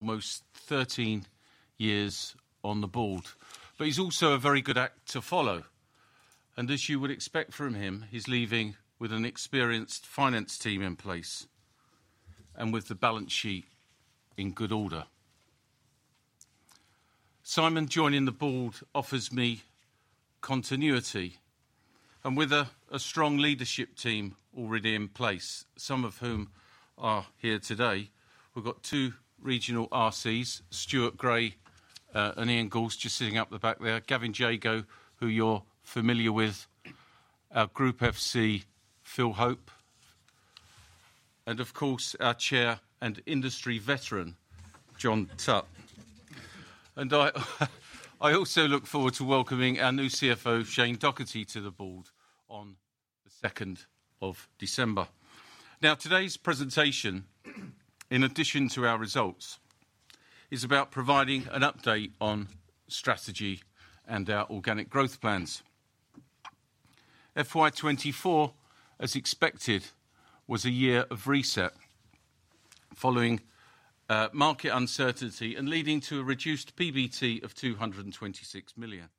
Almost thirteen years on the board. But he's also a very good act to follow, and as you would expect from him, he's leaving with an experienced finance team in place and with the balance sheet in good order. Simon joining the board offers me continuity, and with a strong leadership team already in place, some of whom are here today. We've got two regional RCs, Stuart Gray, and Iain Cull, just sitting up the back there. Gavin Jago, who you're familiar with, our Group FC, Phil Hope, and of course, our Chair and industry veteran, John Tutte. And I also look forward to welcoming our new CFO, Shane Doherty, to the board on the 2nd of December. Now, today's presentation, in addition to our results, is about providing an update on strategy and our organic growth plans. FY twenty-four, as expected, was a year of reset, following market uncertainty and leading to a reduced PBT of 226 million.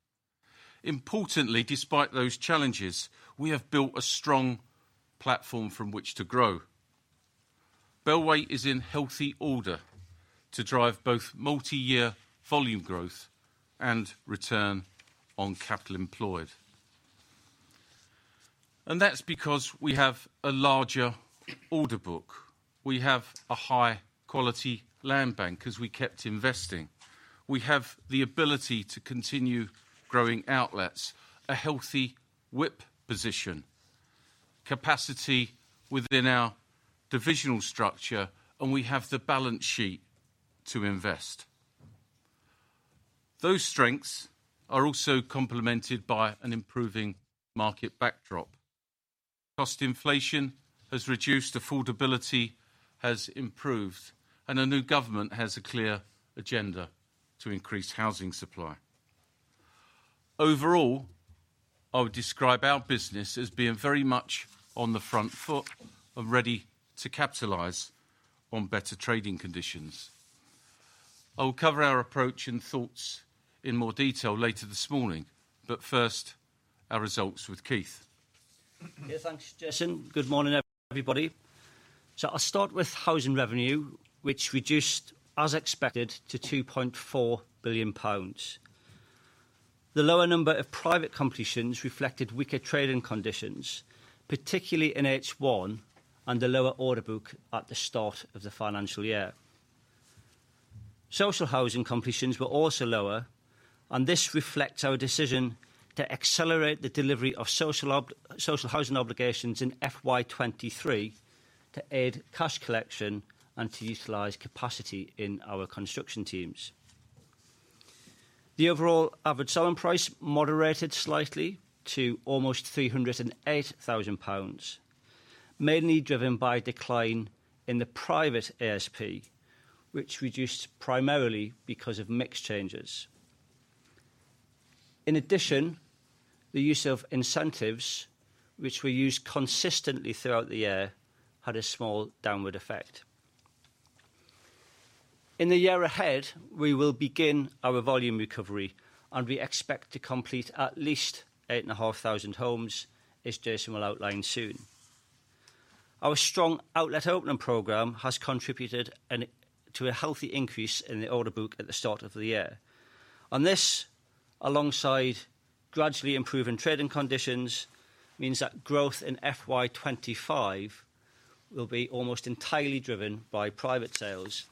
Importantly, despite those challenges, we have built a strong platform from which to grow. Bellway is in healthy order to drive both multi-year volume growth and return on capital employed. And that's because we have a larger order book. We have a high-quality land bank, as we kept investing. We have the ability to continue growing outlets, a healthy WIP position, capacity within our divisional structure, and we have the balance sheet to invest. Those strengths are also complemented by an improving market backdrop. Cost inflation has reduced, affordability has improved, and a new government has a clear agenda to increase housing supply. Overall, I would describe our business as being very much on the front foot and ready to capitalize on better trading conditions. I will cover our approach and thoughts in more detail later this morning, but first, our results with Keith. Yeah, thanks, Jason. Good morning, everybody. So I'll start with housing revenue, which reduced, as expected, to 2.4 billion pounds. The lower number of private completions reflected weaker trading conditions, particularly in H1, and a lower order book at the start of the financial year. Social housing completions were also lower, and this reflects our decision to accelerate the delivery of social housing obligations in FY 2023 to aid cash collection and to utilize capacity in our construction teams. The overall average selling price moderated slightly to almost 308,000 pounds, mainly driven by a decline in the private ASP, which reduced primarily because of mix changes. In addition, the use of incentives, which we used consistently throughout the year, had a small downward effect. In the year ahead, we will begin our volume recovery, and we expect to complete at least 8,500 homes, as Jason will outline soon. Our strong outlet opening program has contributed to a healthy increase in the order book at the start of the year. This, alongside gradually improving trading conditions, means that growth in FY 2025 will be almost entirely driven by private sales.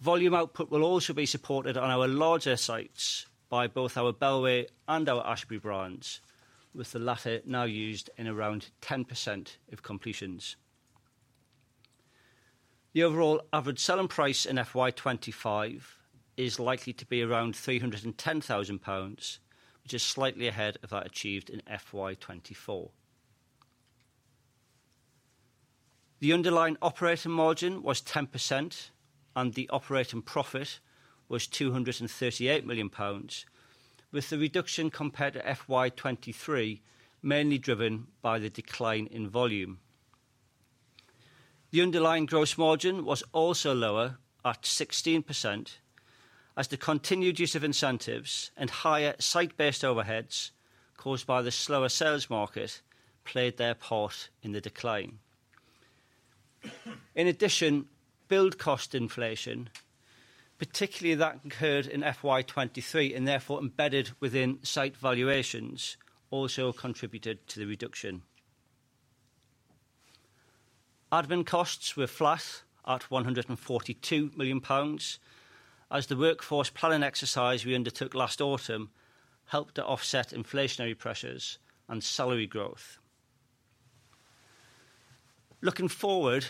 Volume output will also be supported on our larger sites by both our Bellway and our Ashberry brands, with the latter now used in around 10% of completions. The overall average selling price in FY 2025 is likely to be around 310,000 pounds, which is slightly ahead of that achieved in FY 2024. The underlying operating margin was 10%, and the operating profit was 238 million pounds, with the reduction compared to FY 2023, mainly driven by the decline in volume. The underlying gross margin was also lower at 16%, as the continued use of incentives and higher site-based overheads caused by the slower sales market played their part in the decline. In addition, build cost inflation, particularly that incurred in FY 2023 and therefore embedded within site valuations, also contributed to the reduction. Admin costs were flat at 142 million pounds, as the workforce planning exercise we undertook last autumn helped to offset inflationary pressures and salary growth. Looking forward,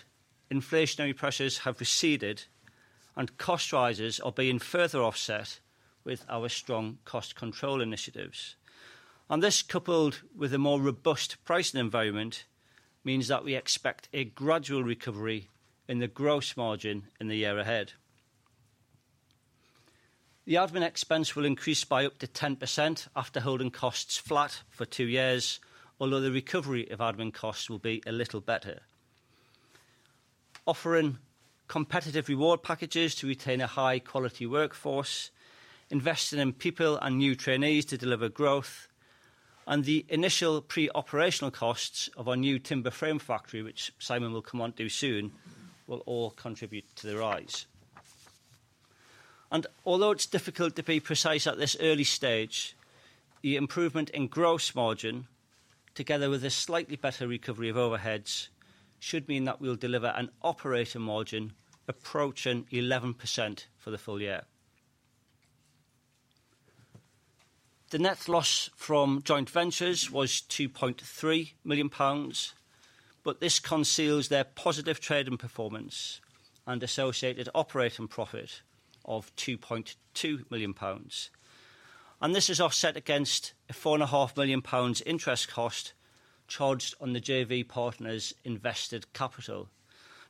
inflationary pressures have receded, and cost rises are being further offset with our strong cost control initiatives. This, coupled with a more robust pricing environment, means that we expect a gradual recovery in the gross margin in the year ahead. The admin expense will increase by up to 10% after holding costs flat for two years, although the recovery of admin costs will be a little better. Offering competitive reward packages to retain a high-quality workforce, investing in people and new trainees to deliver growth, and the initial pre-operational costs of our new timber frame factory, which Simon will come on to soon, will all contribute to the rise. Although it's difficult to be precise at this early stage, the improvement in gross margin, together with a slightly better recovery of overheads, should mean that we'll deliver an operating margin approaching 11% for the full year. The net loss from joint ventures was 2.3 million pounds, but this conceals their positive trading performance and associated operating profit of 2.2 million pounds. And this is offset against a 4.5 million pounds interest cost charged on the JV partner's invested capital.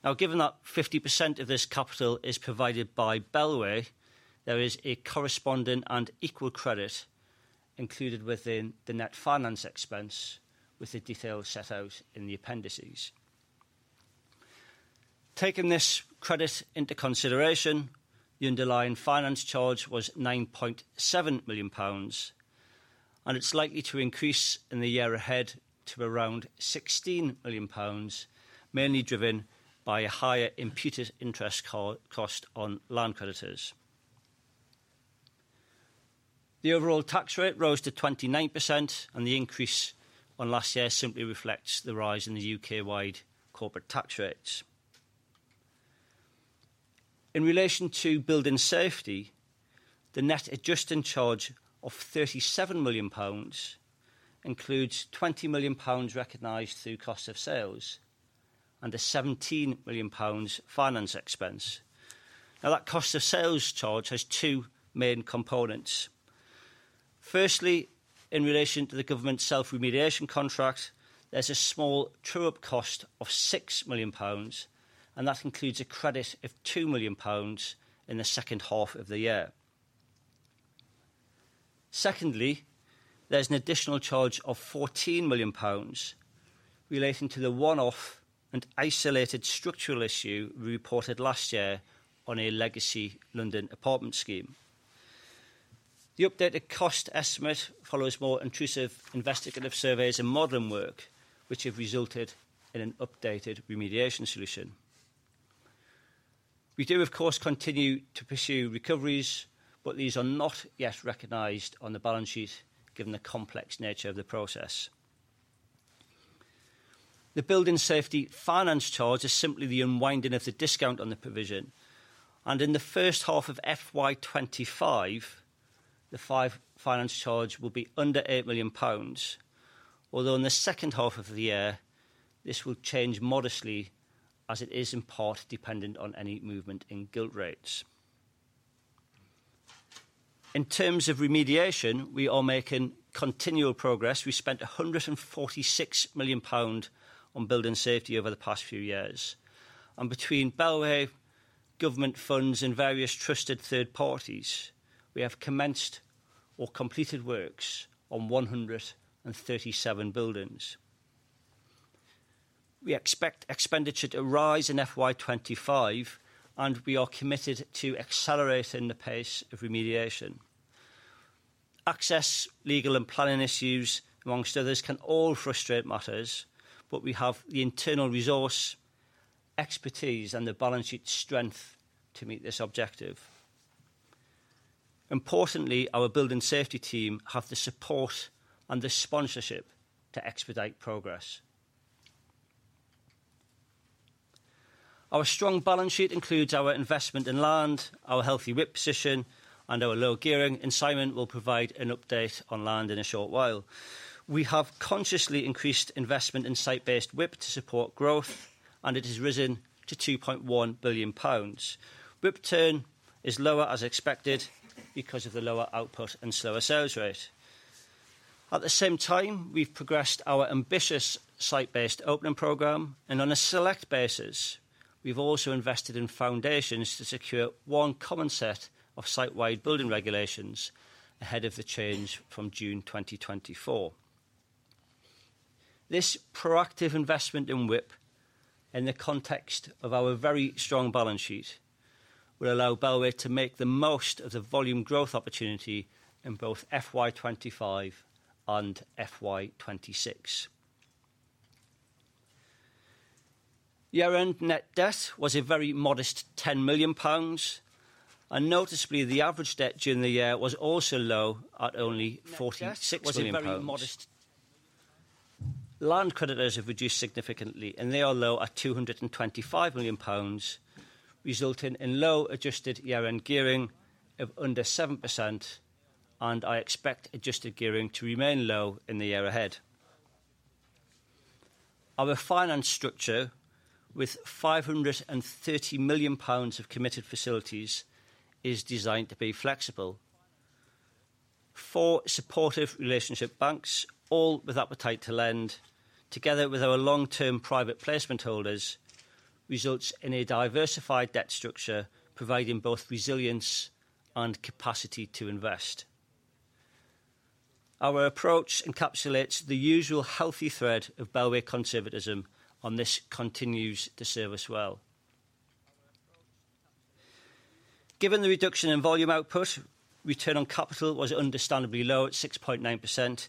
Now, given that 50% of this capital is provided by Bellway, there is a corresponding and equal credit included within the net finance expense, with the details set out in the appendices. Taking this credit into consideration, the underlying finance charge was 9.7 million pounds, and it's likely to increase in the year ahead to around 16 million pounds, mainly driven by a higher imputed interest cost on land creditors. The overall tax rate rose to 29%, and the increase on last year simply reflects the rise in the U.K.-wide corporate tax rates. In relation to building safety, the net adjusting charge of 37 million pounds includes 20 million pounds recognized through cost of sales and a 17 million pounds finance expense. Now, that cost of sales charge has two main components. Firstly, in relation to the government self-remediation contract, there's a small true-up cost of 6 million pounds, and that includes a credit of 2 million pounds in the second half of the year. Secondly, there's an additional charge of 14 million pounds relating to the one-off and isolated structural issue we reported last year on a legacy London apartment scheme. The updated cost estimate follows more intrusive investigative surveys and modeling work, which have resulted in an updated remediation solution. We do, of course, continue to pursue recoveries, but these are not yet recognized on the balance sheet, given the complex nature of the process. The building safety finance charge is simply the unwinding of the discount on the provision, and in the first half of FY 2025, the finance charge will be under 8 million pounds. Although in the second half of the year, this will change modestly, as it is in part dependent on any movement in gilt rates. In terms of remediation, we are making continual progress. We spent 146 million pound on building safety over the past few years, and between Bellway, government funds, and various trusted third parties, we have commenced or completed works on 137 buildings. We expect expenditure to rise in FY 2025, and we are committed to accelerating the pace of remediation. Access, legal, and planning issues, among others, can all frustrate matters, but we have the internal resource, expertise, and the balance sheet strength to meet this objective. Importantly, our building safety team have the support and the sponsorship to expedite progress. Our strong balance sheet includes our investment in land, our healthy WIP position, and our low gearing, and Simon will provide an update on land in a short while. We have consciously increased investment in site-based WIP to support growth, and it has risen to 2.1 billion pounds. WIP turn is lower, as expected, because of the lower output and slower sales rate. At the same time, we've progressed our ambitious site-based opening program, and on a select basis, we've also invested in foundations to secure one common set of site-wide building regulations ahead of the change from June 2024. This proactive investment in WIP, in the context of our very strong balance sheet, will allow Bellway to make the most of the volume growth opportunity in both FY 2025 and FY 2026. Year-end net debt was a very modest 10 million pounds, and noticeably, the average debt during the year was also low at only 46 million. Land creditors have reduced significantly, and they are low at 225 million pounds, resulting in low adjusted year-end gearing of under 7%, and I expect adjusted gearing to remain low in the year ahead. Our finance structure, with 530 million pounds of committed facilities, is designed to be flexible. Four supportive relationship banks, all with appetite to lend, together with our long-term private placement holders, results in a diversified debt structure, providing both resilience and capacity to invest. Our approach encapsulates the usual healthy thread of Bellway conservatism, and this continues to serve us well. Given the reduction in volume output, return on capital was understandably low at 6.9%.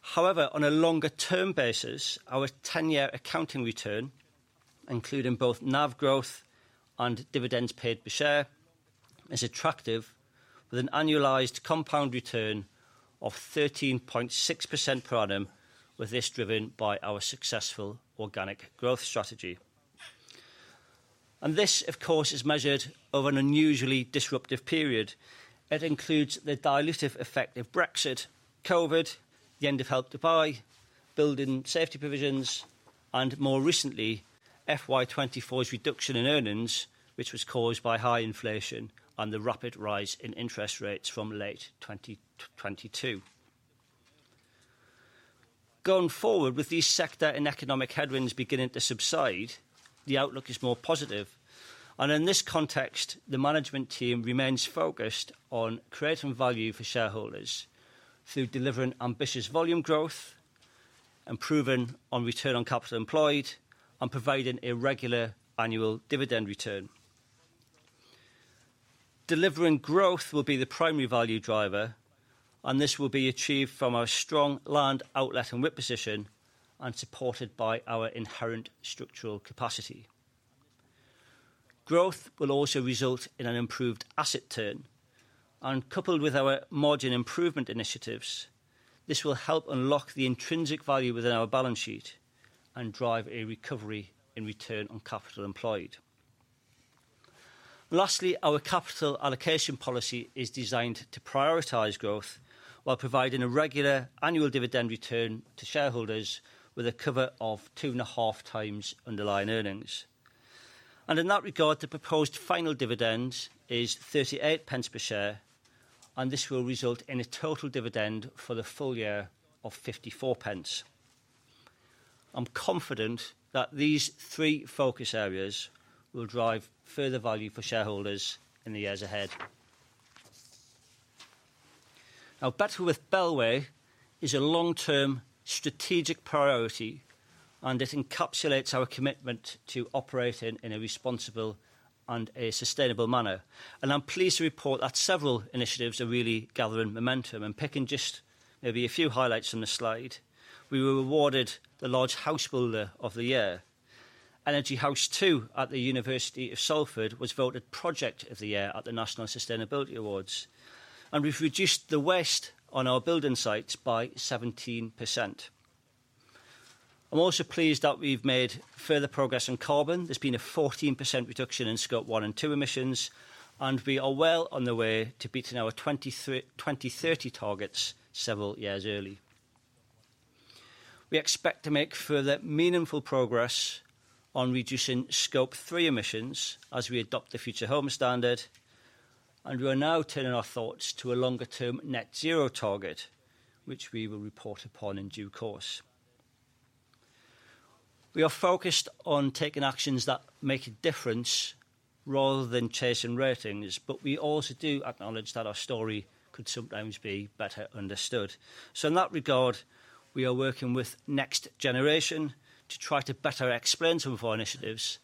However, on a longer-term basis, our ten-year accounting return, including both NAV growth and dividends paid per share, is attractive, with an annualized compound return of 13.6% per annum, with this driven by our successful organic growth strategy, and this, of course, is measured over an unusually disruptive period. It includes the dilutive effect of Brexit, COVID, the end of Help to Buy, building safety provisions, and more recently, FY 2024's reduction in earnings, which was caused by high inflation and the rapid rise in interest rates from late 2022. Going forward, with these sector and economic headwinds beginning to subside, the outlook is more positive, and in this context, the management team remains focused on creating value for shareholders through delivering ambitious volume growth, improving on return on capital employed, and providing a regular annual dividend return. Delivering growth will be the primary value driver, and this will be achieved from our strong land outlet and WIP position and supported by our inherent structural capacity. Growth will also result in an improved asset turn, and coupled with our margin improvement initiatives, this will help unlock the intrinsic value within our balance sheet and drive a recovery in return on capital employed. Lastly, our capital allocation policy is designed to prioritize growth while providing a regular annual dividend return to shareholders with a cover of two and a half times underlying earnings. And in that regard, the proposed final dividend is 0.38 per share, and this will result in a total dividend for the full year of 0.54. I'm confident that these three focus areas will drive further value for shareholders in the years ahead. Now, Better with Bellway is a long-term strategic priority, and it encapsulates our commitment to operating in a responsible and a sustainable manner, and I'm pleased to report that several initiatives are really gathering momentum, and picking just maybe a few highlights from the slide, we were awarded the Large House Builder of the Year. Energy House 2 at the University of Salford was voted Project of the Year at the National Sustainability Awards, and we've reduced the waste on our building sites by 17%. I'm also pleased that we've made further progress on carbon. There's been a 14% reduction in Scope 1 and 2 emissions, and we are well on the way to beating our 2030 targets several years early. We expect to make further meaningful progress on reducing Scope 3 emissions as we adopt the Future Homes Standard, and we are now turning our thoughts to a longer-term net zero target, which we will report upon in due course. We are focused on taking actions that make a difference rather than chasing ratings, but we also do acknowledge that our story could sometimes be better understood. So in that regard, we are working with NextGeneration to try to better explain some of our initiatives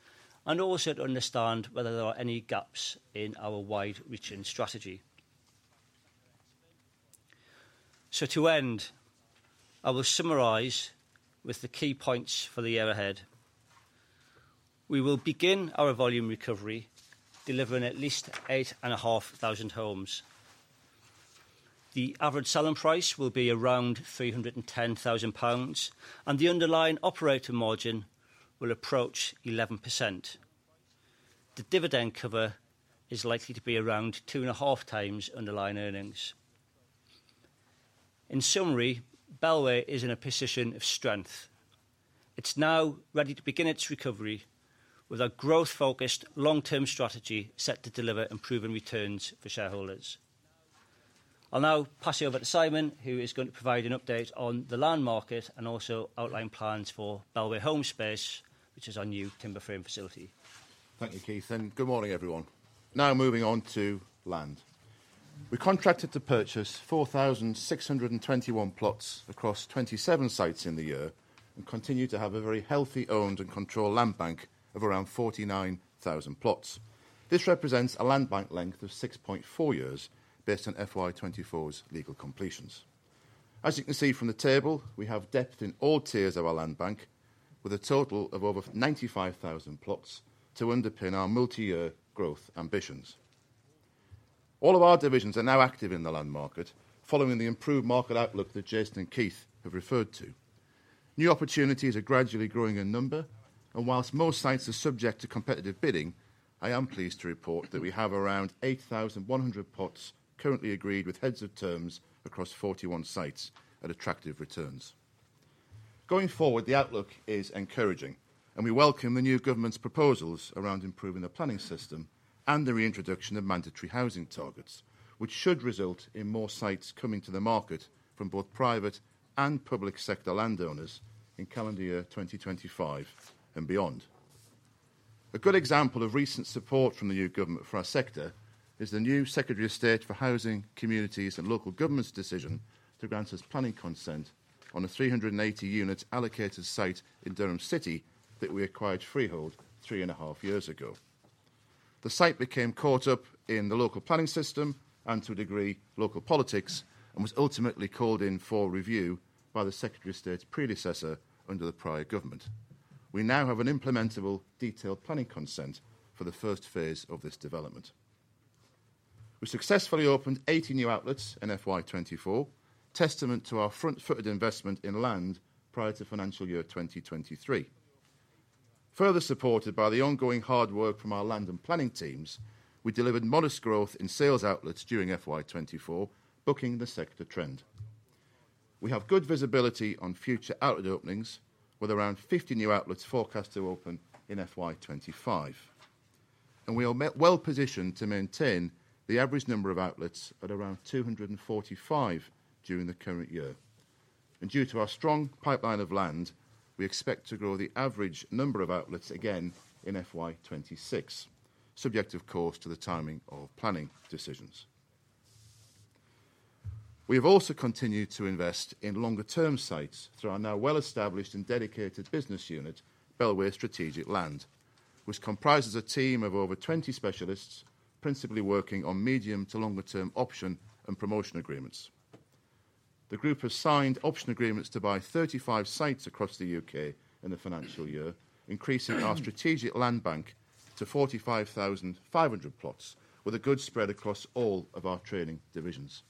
and also to understand whether there are any gaps in our wide-reaching strategy. So to end, I will summarize with the key points for the year ahead. We will begin our volume recovery, delivering at least 8,500 homes. The average selling price will be around 310,000 pounds, and the underlying operating margin will approach 11%. The dividend cover is likely to be around two and a half times underlying earnings. In summary, Bellway is in a position of strength. It's now ready to begin its recovery with a growth-focused, long-term strategy set to deliver improving returns for shareholders. I'll now pass you over to Simon, who is going to provide an update on the land market and also outline plans for Bellway Home Space, which is our new timber frame facility. Thank you, Keith, and good morning, everyone. Now moving on to land. We contracted to purchase 4,621 plots across 27 sites in the year and continue to have a very healthy owned and controlled land bank of around 49,000 plots. This represents a land bank length of 6.4 years based on FY 2024's legal completions. As you can see from the table, we have depth in all tiers of our land bank, with a total of over 95,000 plots to underpin our multi-year growth ambitions. All of our divisions are now active in the land market, following the improved market outlook that Jason and Keith have referred to. New opportunities are gradually growing in number, and whilst most sites are subject to competitive bidding, I am pleased to report that we have around 8,100 plots currently agreed with heads of terms across 41 sites at attractive returns. Going forward, the outlook is encouraging, and we welcome the new government's proposals around improving the planning system and the reintroduction of mandatory housing targets, which should result in more sites coming to the market from both private and public sector landowners in calendar year 2025 and beyond. A good example of recent support from the new government for our sector is the new Secretary of State for Housing, Communities, and Local Government's decision to grant us planning consent on a 380-unit allocated site in Durham City that we acquired freehold 3.5 years ago. The site became caught up in the local planning system, and to a degree, local politics, and was ultimately called in for review by the Secretary of State's predecessor under the prior government. We now have an implementable detailed planning consent for the first phase of this development. We successfully opened 80 new outlets in FY 2024, testament to our front-footed investment in land prior to financial year 2023. Further supported by the ongoing hard work from our land and planning teams, we delivered modest growth in sales outlets during FY 2024, bucking the sector trend. We have good visibility on future outlet openings, with around 50 new outlets forecast to open in FY 2025, and we are well positioned to maintain the average number of outlets at around 245 during the current year. Due to our strong pipeline of land, we expect to grow the average number of outlets again in FY twenty-six, subject, of course, to the timing of planning decisions. We have also continued to invest in longer-term sites through our now well-established and dedicated business unit. Bellway Strategic Land, which comprises a team of over 20 specialists, principally working on medium to longer term option and promotion agreements. The group has signed option agreements to buy 35 sites across the U.K. in the financial year, increasing our strategic land bank to 45,500 plots, with a good spread across all of our trading divisions.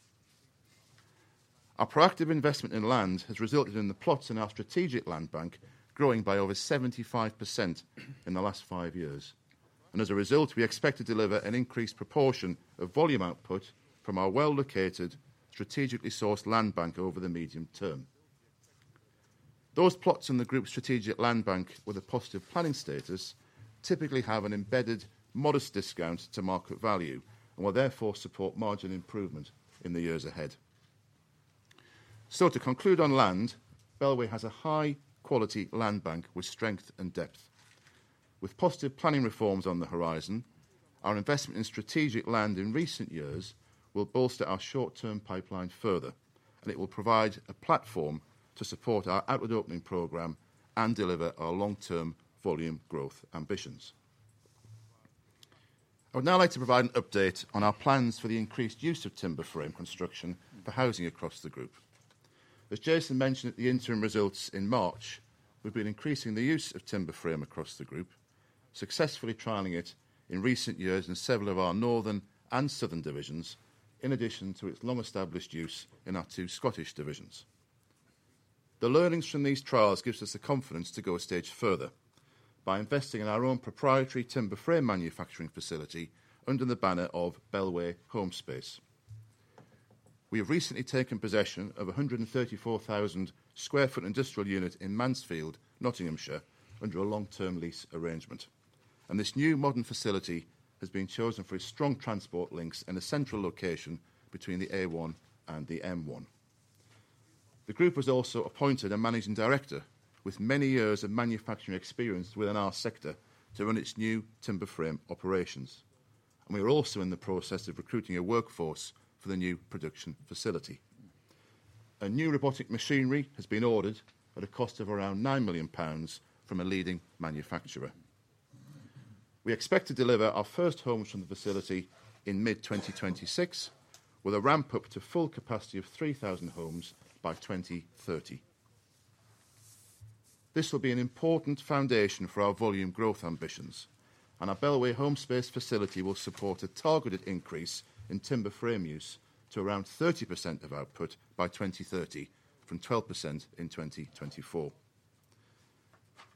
Our proactive investment in land has resulted in the plots in our strategic land bank growing by over 75% in the last five years, and as a result, we expect to deliver an increased proportion of volume output from our well-located, strategically sourced land bank over the medium term. Those plots in the group's strategic land bank with a positive planning status typically have an embedded modest discount to market value and will therefore support margin improvement in the years ahead. So to conclude on land, Bellway has a high-quality land bank with strength and depth. With positive planning reforms on the horizon, our investment in strategic land in recent years will bolster our short-term pipeline further, and it will provide a platform to support our outward opening program and deliver our long-term volume growth ambitions. I would now like to provide an update on our plans for the increased use of timber frame construction for housing across the group. As Jason mentioned at the interim results in March, we've been increasing the use of timber frame across the group, successfully trialing it in recent years in several of our northern and southern divisions, in addition to its long-established use in our two Scottish divisions. The learnings from these trials gives us the confidence to go a stage further by investing in our own proprietary timber frame manufacturing facility under the banner of Bellway Home Space. We have recently taken possession of 134,000 sq ft industrial unit in Mansfield, Nottinghamshire, under a long-term lease arrangement, and this new modern facility has been chosen for its strong transport links and a central location between the A1 and the M1. The group has also appointed a managing director with many years of manufacturing experience within our sector to run its new timber frame operations, and we are also in the process of recruiting a workforce for the new production facility. A new robotic machinery has been ordered at a cost of around 9 million pounds from a leading manufacturer. We expect to deliver our first homes from the facility in mid-2026, with a ramp up to full capacity of 3,000 homes by 2030. This will be an important foundation for our volume growth ambitions, and our Bellway Home Space facility will support a targeted increase in timber frame use to around 30% of output by 2030, from 12% in 2024.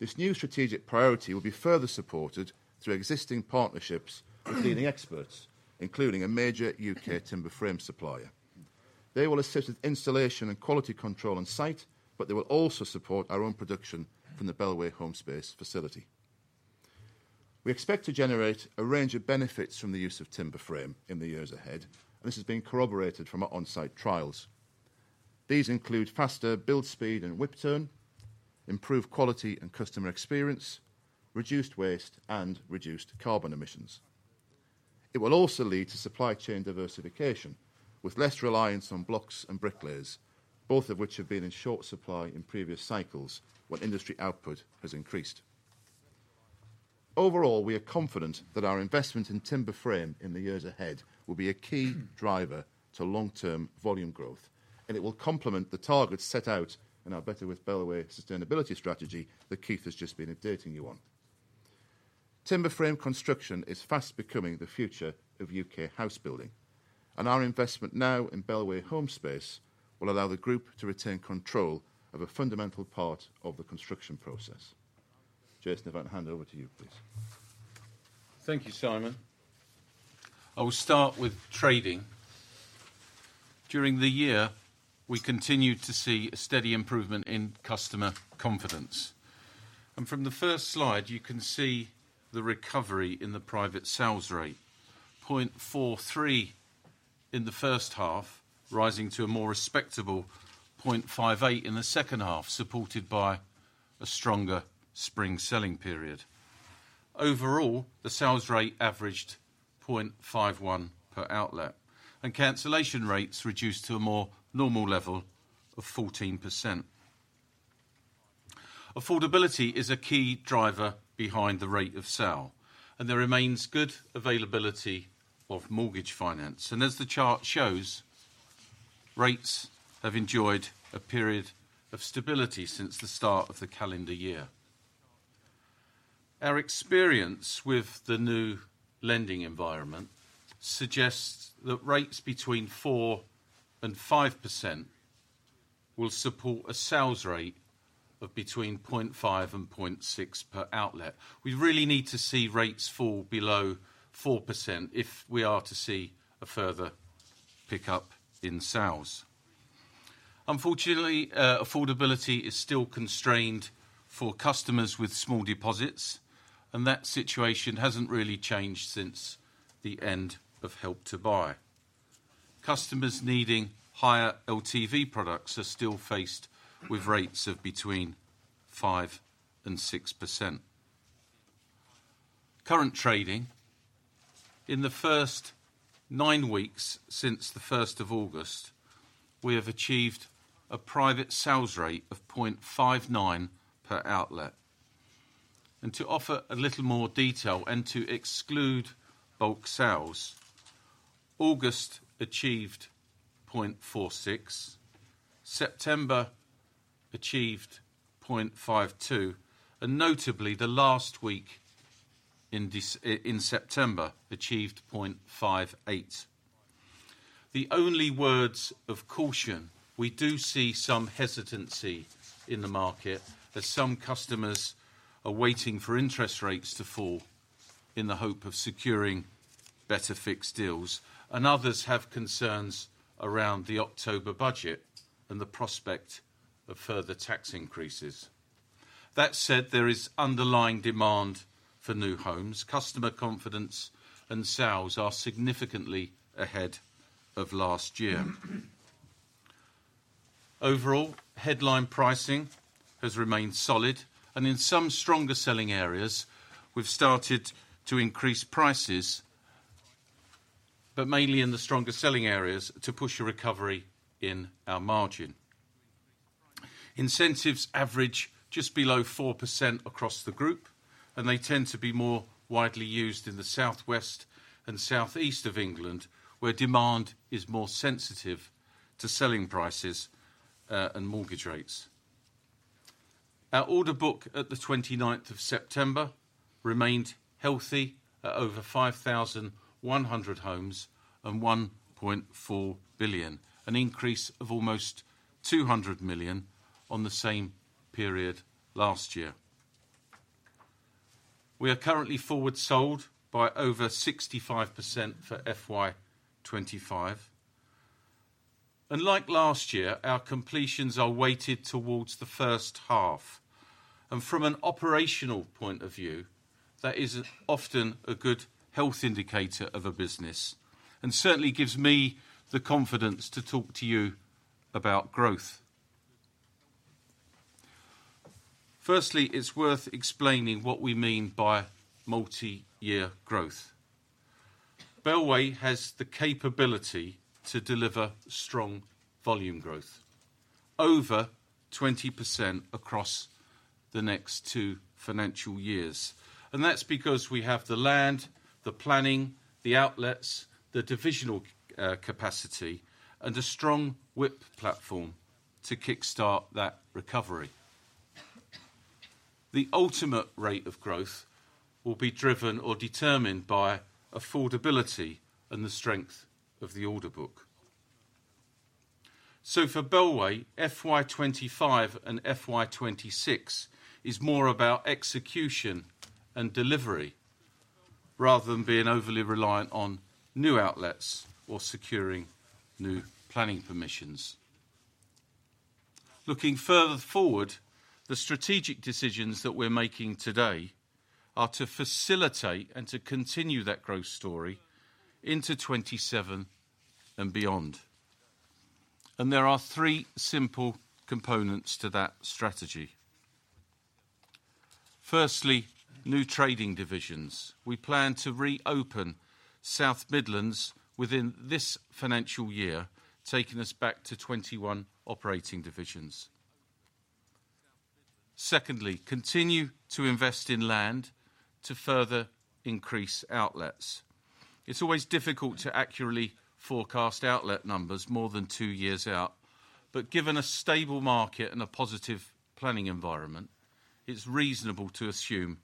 This new strategic priority will be further supported through existing partnerships with leading experts, including a major UK timber frame supplier. They will assist with installation and quality control on site, but they will also support our own production from the Bellway Home Space facility. We expect to generate a range of benefits from the use of timber frame in the years ahead, and this has been corroborated from our on-site trials. These include faster build speed and whip turn, improved quality and customer experience, reduced waste, and reduced carbon emissions. It will also lead to supply chain diversification, with less reliance on blocks and bricklayers, both of which have been in short supply in previous cycles when industry output has increased. Overall, we are confident that our investment in timber frame in the years ahead will be a key driver to long-term volume growth, and it will complement the targets set out in our Better with Bellway sustainability strategy that Keith has just been updating you on. Timber frame construction is fast becoming the future of UK house building, and our investment now in Bellway Home Space will allow the group to retain control of a fundamental part of the construction process. Jason, if I can hand over to you, please. Thank you, Simon. I will start with trading. During the year, we continued to see a steady improvement in customer confidence. From the first slide, you can see the recovery in the private sales rate, point four three in the first half, rising to a more respectable point five eight in the second half, supported by a stronger spring selling period. Overall, the sales rate averaged point five one per outlet, and cancellation rates reduced to a more normal level of 14%. Affordability is a key driver behind the rate of sale, and there remains good availability of mortgage finance, and as the chart shows, rates have enjoyed a period of stability since the start of the calendar year. Our experience with the new lending environment suggests that rates between 4% and 5% will support a sales rate of between point five and point six per outlet. We really need to see rates fall below 4% if we are to see a further pickup in sales. Unfortunately, affordability is still constrained for customers with small deposits, and that situation hasn't really changed since the end of Help to Buy. Customers needing higher LTV products are still faced with rates of between 5% and 6%. Current trading. In the first nine weeks since the first of August, we have achieved a private sales rate of 0.59 per outlet. And to offer a little more detail and to exclude bulk sales, August achieved 0.46, September achieved 0.52, and notably, the last week in September achieved 0.58. The only words of caution, we do see some hesitancy in the market, as some customers are waiting for interest rates to fall in the hope of securing better fixed deals, and others have concerns around the October budget and the prospect of further tax increases. That said, there is underlying demand for new homes. Customer confidence and sales are significantly ahead of last year. Overall, headline pricing has remained solid, and in some stronger selling areas, we've started to increase prices, but mainly in the stronger selling areas to push a recovery in our margin. Incentives average just below 4% across the group, and they tend to be more widely used in the southwest and southeast of England, where demand is more sensitive to selling prices, and mortgage rates. Our order book at the twenty-ninth of September remained healthy at over 5,100 homes and 1.4 billion, an increase of almost 200 million on the same period last year. We are currently forward sold by over 65% for FY 2025, and like last year, our completions are weighted towards the first half. And from an operational point of view, that is often a good health indicator of a business, and certainly gives me the confidence to talk to you about growth. Firstly, it's worth explaining what we mean by multi-year growth. Bellway has the capability to deliver strong volume growth over 20% across the next two financial years, and that's because we have the land, the planning, the outlets, the divisional capacity, and a strong WIP platform to kickstart that recovery. The ultimate rate of growth will be driven or determined by affordability and the strength of the order book, so for Bellway, FY 2025 and FY 2026 is more about execution and delivery, rather than being overly reliant on new outlets or securing new planning permissions. Looking further forward, the strategic decisions that we're making today are to facilitate and to continue that growth story into 2027 and beyond, and there are three simple components to that strategy. Firstly, new trading divisions. We plan to reopen South Midlands within this financial year, taking us back to 21 operating divisions. Secondly, continue to invest in land to further increase outlets. It's always difficult to accurately forecast outlet numbers more than two years out, but given a stable market and a positive planning environment, it's reasonable to assume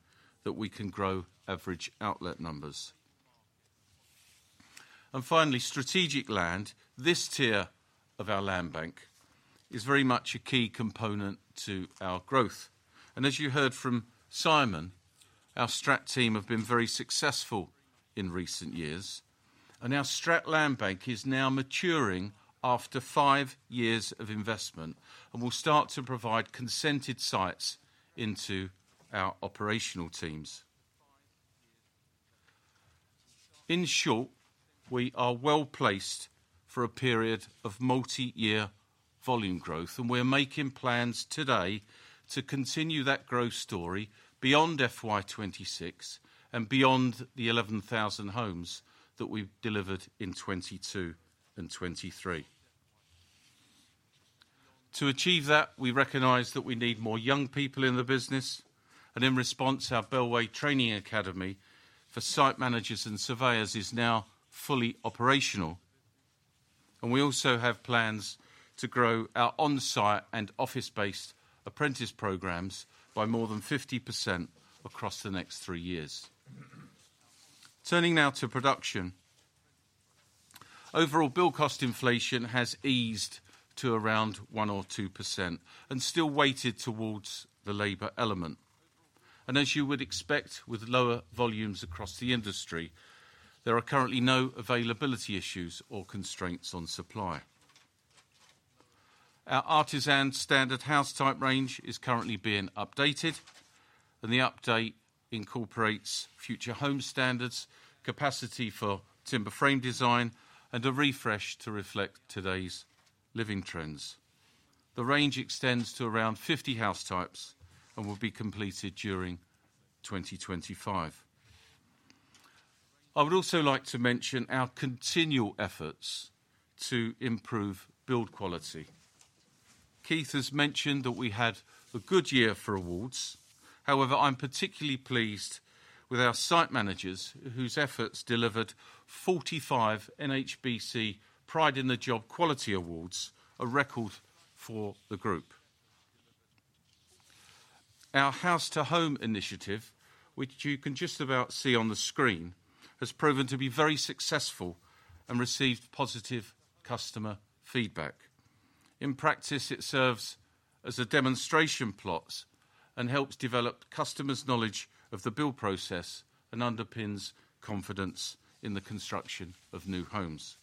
that we can grow average outlet numbers, and finally, strategic land. This tier of our land bank is very much a key component to our growth, and as you heard from Simon. Our Strategic team have been very successful in recent years, and our Strategic Land Bank is now maturing after five years of investment and will start to provide consented sites into our operational teams. In short, we are well-placed for a period of multi-year volume growth, and we're making plans today to continue that growth story beyond FY 2026 and beyond the 11,000 homes that we've delivered in 2022 and 2023. To achieve that, we recognize that we need more young people in the business, and in response, our Bellway Training Academy for site managers and surveyors is now fully operational, and we also have plans to grow our on-site and office-based apprentice programs by more than 50% across the next three years. Turning now to production. Overall, build cost inflation has eased to around 1% or 2% and is still weighted towards the labor element, and as you would expect, with lower volumes across the industry, there are currently no availability issues or constraints on supply. Our Artisan standard house type range is currently being updated, and the update incorporates Future Homes Standard, capacity for timber frame design, and a refresh to reflect today's living trends. The range extends to around 50 house types and will be completed during 2025. I would also like to mention our continual efforts to improve build quality. Keith has mentioned that we had a good year for awards. However, I'm particularly pleased with our site managers, whose efforts delivered 45 NHBC Pride in the Job Quality Awards, a record for the group. Our House to Home initiative, which you can just about see on the screen, has proven to be very successful and received positive customer feedback. In practice, it serves as a demonstration plot and helps develop customers' knowledge of the build process and underpins confidence in the construction of new homes.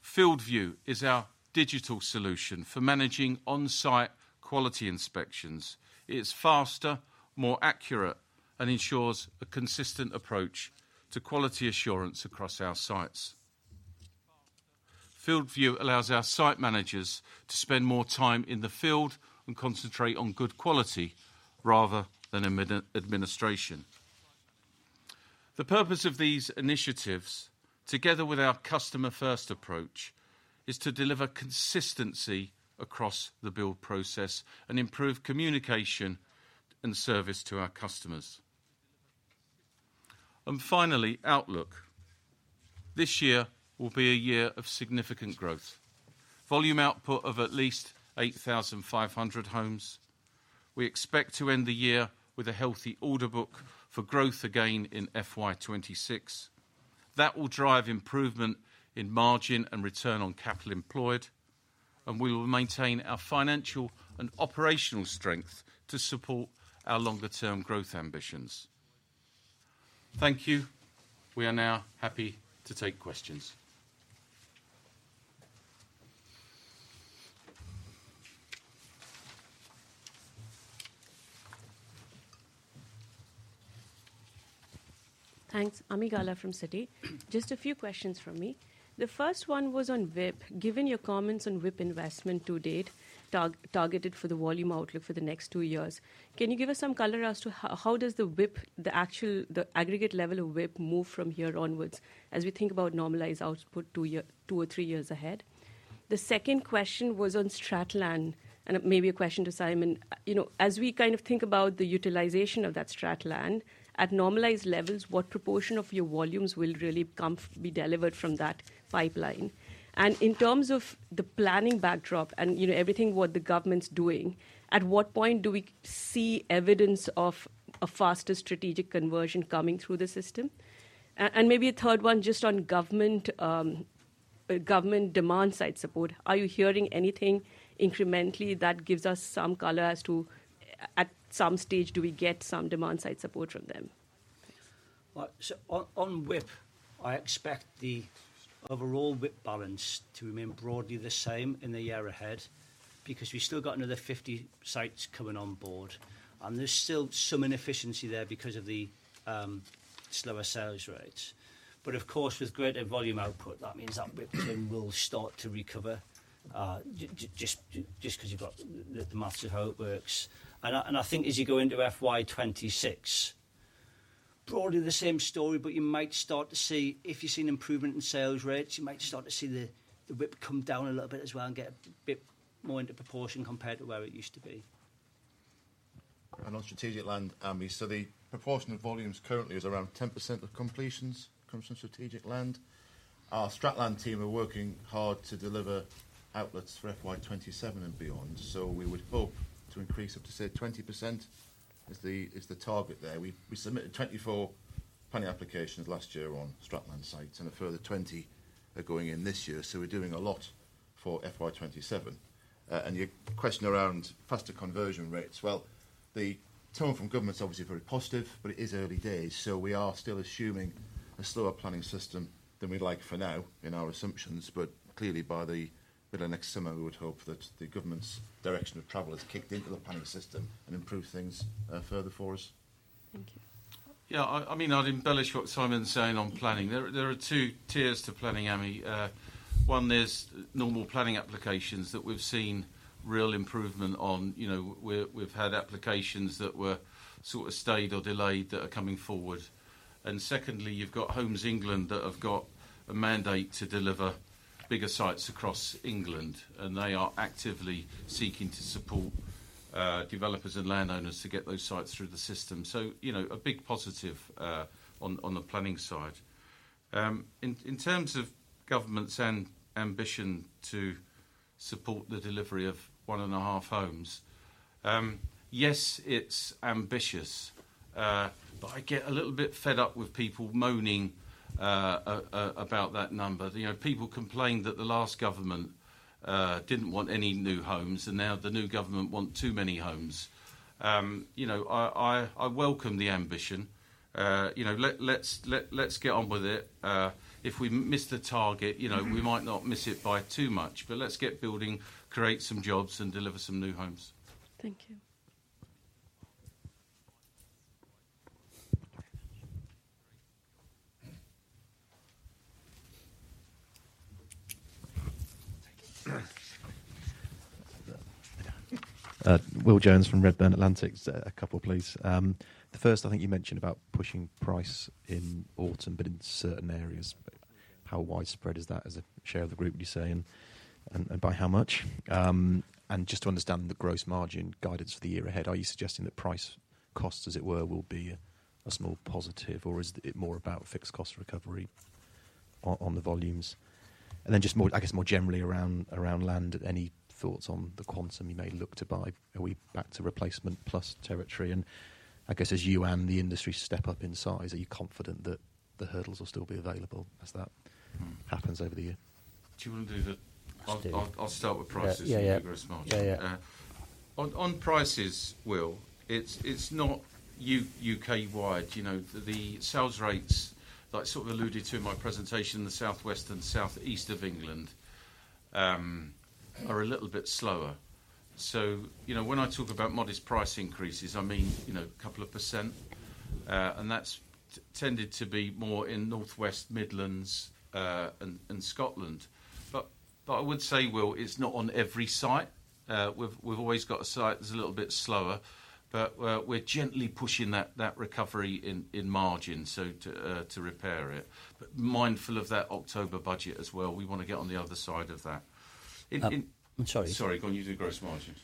Field View is our digital solution for managing on-site quality inspections. It is faster, more accurate, and ensures a consistent approach to quality assurance across our sites. Field View allows our site managers to spend more time in the field and concentrate on good quality rather than administration. The purpose of these initiatives, together with our customer-first approach, is to deliver consistency across the build process and improve communication and service to our customers. And finally, outlook. This year will be a year of significant growth. Volume output of at least eight thousand five hundred homes. We expect to end the year with a healthy order book for growth again in FY 2026. That will drive improvement in margin and return on capital employed, and we will maintain our financial and operational strength to support our longer term growth ambitions. Thank you. We are now happy to take questions. Thanks. Ami Galla from Citi. Just a few questions from me. The first one was on WIP. Given your comments on WIP investment to date, targeted for the volume outlook for the next two years, can you give us some color as to how does the WIP, the aggregate level of WIP move from here onwards as we think about normalized output two or three years ahead? The second question was on strategic land, and it may be a question to Simon. You know, as we kind of think about the utilization of that strategic land, at normalized levels, what proportion of your volumes will really be delivered from that pipeline? And in terms of the planning backdrop and, you know, everything, what the government's doing, at what point do we see evidence of a faster strategic conversion coming through the system? And maybe a third one, just on government, government demand side support. Are you hearing anything incrementally that gives us some color as to, at some stage, do we get some demand side support from them? On WIP, I expect the overall WIP balance to remain broadly the same in the year ahead, because we've still got another 50 sites coming on board, and there's still some inefficiency there because of the slower sales rates. But of course, with greater volume output, that means that WIP will start to recover just 'cause you've got the maths of how it works. I think as you go into FY 2026, broadly the same story, but you might start to see... If you see an improvement in sales rates, you might start to see the WIP come down a little bit as well and get a bit more into proportion compared to where it used to be. On strategic land, Ami, so the proportion of volumes currently is around 10% of completions, comes from strategic land. Our strategic land team are working hard to deliver outlets for FY 2027 and beyond, so we would hope to increase it to, say, 20% is the target there. We submitted 24 planning applications last year on strategic land sites, and a further 20 are going in this year, so we're doing a lot for FY 2027. And your question around faster conversion rates, well, the tone from government is obviously very positive, but it is early days, so we are still assuming a slower planning system than we'd like for now in our assumptions. But clearly, by the middle of next summer, we would hope that the government's direction of travel has kicked into the planning system and improved things further for us. Thank you. Yeah, I mean, I'd embellish what Simon's saying on planning. There are two tiers to planning, Ami. One is normal planning applications that we've seen real improvement on. You know, we've had applications that were sort of stayed or delayed that are coming forward. And secondly, you've got Homes England that have got a mandate to deliver bigger sites across England, and they are actively seeking to support developers and landowners to get those sites through the system. So, you know, a big positive on the planning side. In terms of government's ambition to support the delivery of one and a half homes, yes, it's ambitious, but I get a little bit fed up with people moaning about that number. You know, people complained that the last government didn't want any new homes, and now the new government want too many homes. You know, I welcome the ambition. You know, let's get on with it. If we missed the target, you know, we might not miss it by too much, but let's get building, create some jobs, and deliver some new homes. Thank you. Will Jones from Redburn Atlantic. A couple, please. The first, I think you mentioned about pushing price in autumn, but in certain areas. How widespread is that as a share of the group, would you say, and by how much? And just to understand the gross margin guidance for the year ahead, are you suggesting that price costs, as it were, will be a small positive, or is it more about fixed cost recovery on the volumes? And then just more, I guess, more generally around land, any thoughts on the quantum you may look to buy? Are we back to replacement plus territory? And I guess as you and the industry step up in size, are you confident that the hurdles will still be available as that happens over the year? Do you want to do the- I'll just do. I'll start with prices- Yeah, yeah... and gross margin. Yeah, yeah. On prices, Will, it's not UK wide. You know, the sales rates that I sort of alluded to in my presentation, the South West and South East of England are a little bit slower. So, you know, when I talk about modest price increases, I mean, you know, a couple of %, and that's tended to be more in North West, Midlands, and Scotland. But I would say, Will, it's not on every site. We've always got a site that's a little bit slower, but we're gently pushing that recovery in margin, so to repair it. But mindful of that October budget as well, we want to get on the other side of that. In, I'm sorry. Sorry, go on. You do gross margins.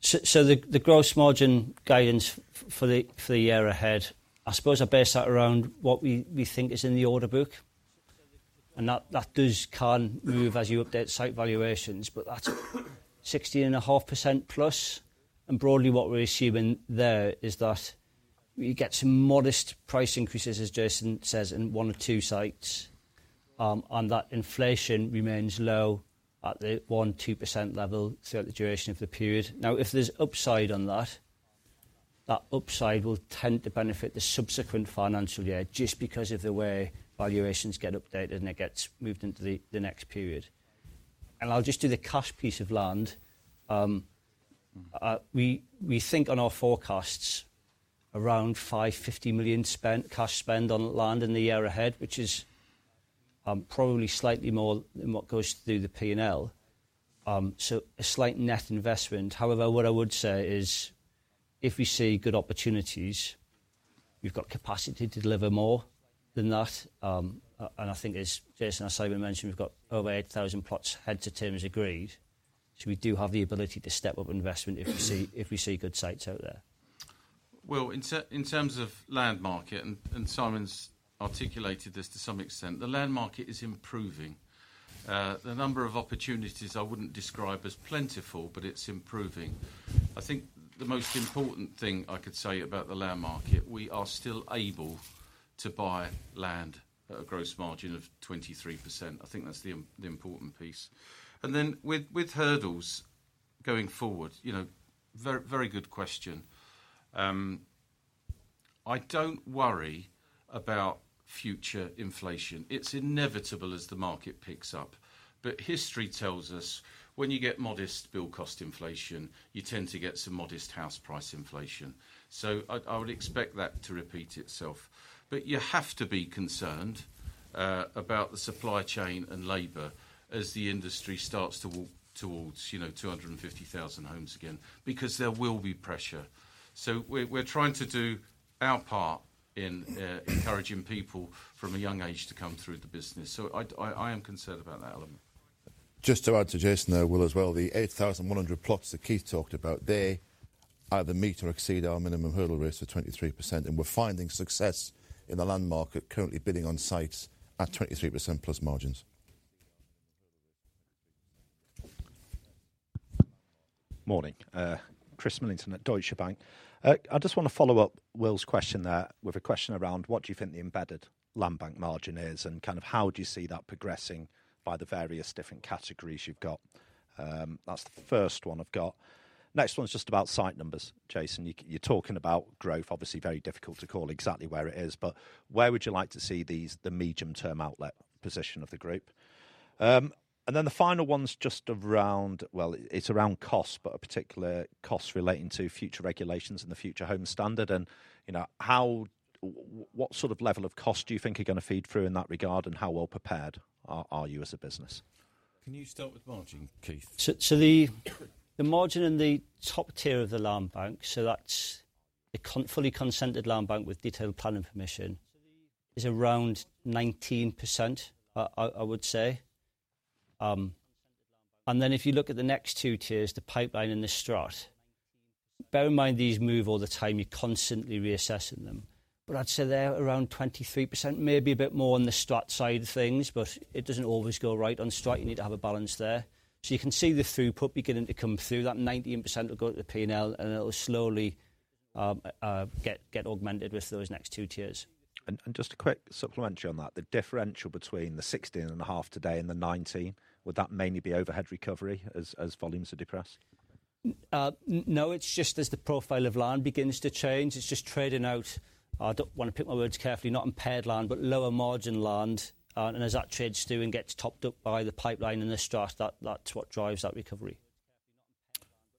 So the gross margin guidance for the year ahead, I suppose I base that around what we think is in the order book, and that can move as you update site valuations, but that's 16.5% plus. Broadly, what we're assuming there is that we get some modest price increases, as Jason says, in one or two sites, and that inflation remains low at the 1-2% level throughout the duration of the period. Now, if there's upside on that, that upside will tend to benefit the subsequent financial year just because of the way valuations get updated, and it gets moved into the next period. I'll just do the cash piece of land. We think on our forecasts, around 550 million spent, cash spend on land in the year ahead, which is probably slightly more than what goes through the P and L. So a slight net investment. However, what I would say is if we see good opportunities, we've got capacity to deliver more than that. And I think as Jason and Simon mentioned, we've got over 8,000 plots heads of terms agreed, so we do have the ability to step up investment if we see good sites out there. Will, in terms of land market, and Simon's articulated this to some extent, the land market is improving. The number of opportunities I wouldn't describe as plentiful, but it's improving. I think the most important thing I could say about the land market, we are still able to buy land at a gross margin of 23%. I think that's the important piece. And then with hurdles going forward, you know, very good question. I don't worry about future inflation. It's inevitable as the market picks up. But history tells us when you get modest build cost inflation, you tend to get some modest house price inflation. So I would expect that to repeat itself. But you have to be concerned about the supply chain and labor as the industry starts to work towards, you know, 250,000 homes again, because there will be pressure. So we're trying to do our part in encouraging people from a young age to come through the business. So I am concerned about that element. Just to add to Jason there, Will, as well, the 8,100 plots that Keith talked about, they either meet or exceed our minimum hurdle rates of 23%, and we're finding success in the land market, currently bidding on sites at 23% plus margins.... Morning, Chris Millington at Deutsche Bank. I just want to follow up Will's question there with a question around: What do you think the embedded land bank margin is, and kind of how do you see that progressing by the various different categories you've got? That's the first one I've got. Next one is just about site numbers. Jason, you're talking about growth, obviously, very difficult to call exactly where it is, but where would you like to see the medium-term outlet position of the group? And then the final one's just around... Well, it's around cost, but a particular cost relating to future regulations and the Future Homes Standard. You know, what sort of level of cost do you think are going to feed through in that regard, and how well prepared are you as a business? Can you start with margin, Keith? So the margin in the top tier of the land bank, so that's a fully consented land bank with detailed planning permission, is around 19%, I would say. And then if you look at the next two tiers, the pipeline and the strategic, bear in mind, these move all the time, you're constantly reassessing them. But I'd say they're around 23%, maybe a bit more on the strategic side of things, but it doesn't always go right on strategic. You need to have a balance there. So you can see the throughput beginning to come through. That 19% will go to the P&L, and it'll slowly get augmented with those next two tiers. Just a quick supplementary on that, the differential between the 16.5% today and the 19%, would that mainly be overhead recovery as volumes have decreased? No, it's just as the profile of land begins to change, it's just trading out. I don't want to pick my words carefully, not impaired land, but lower margin land, and as that trades through and gets topped up by the pipeline and the strat, that's what drives that recovery.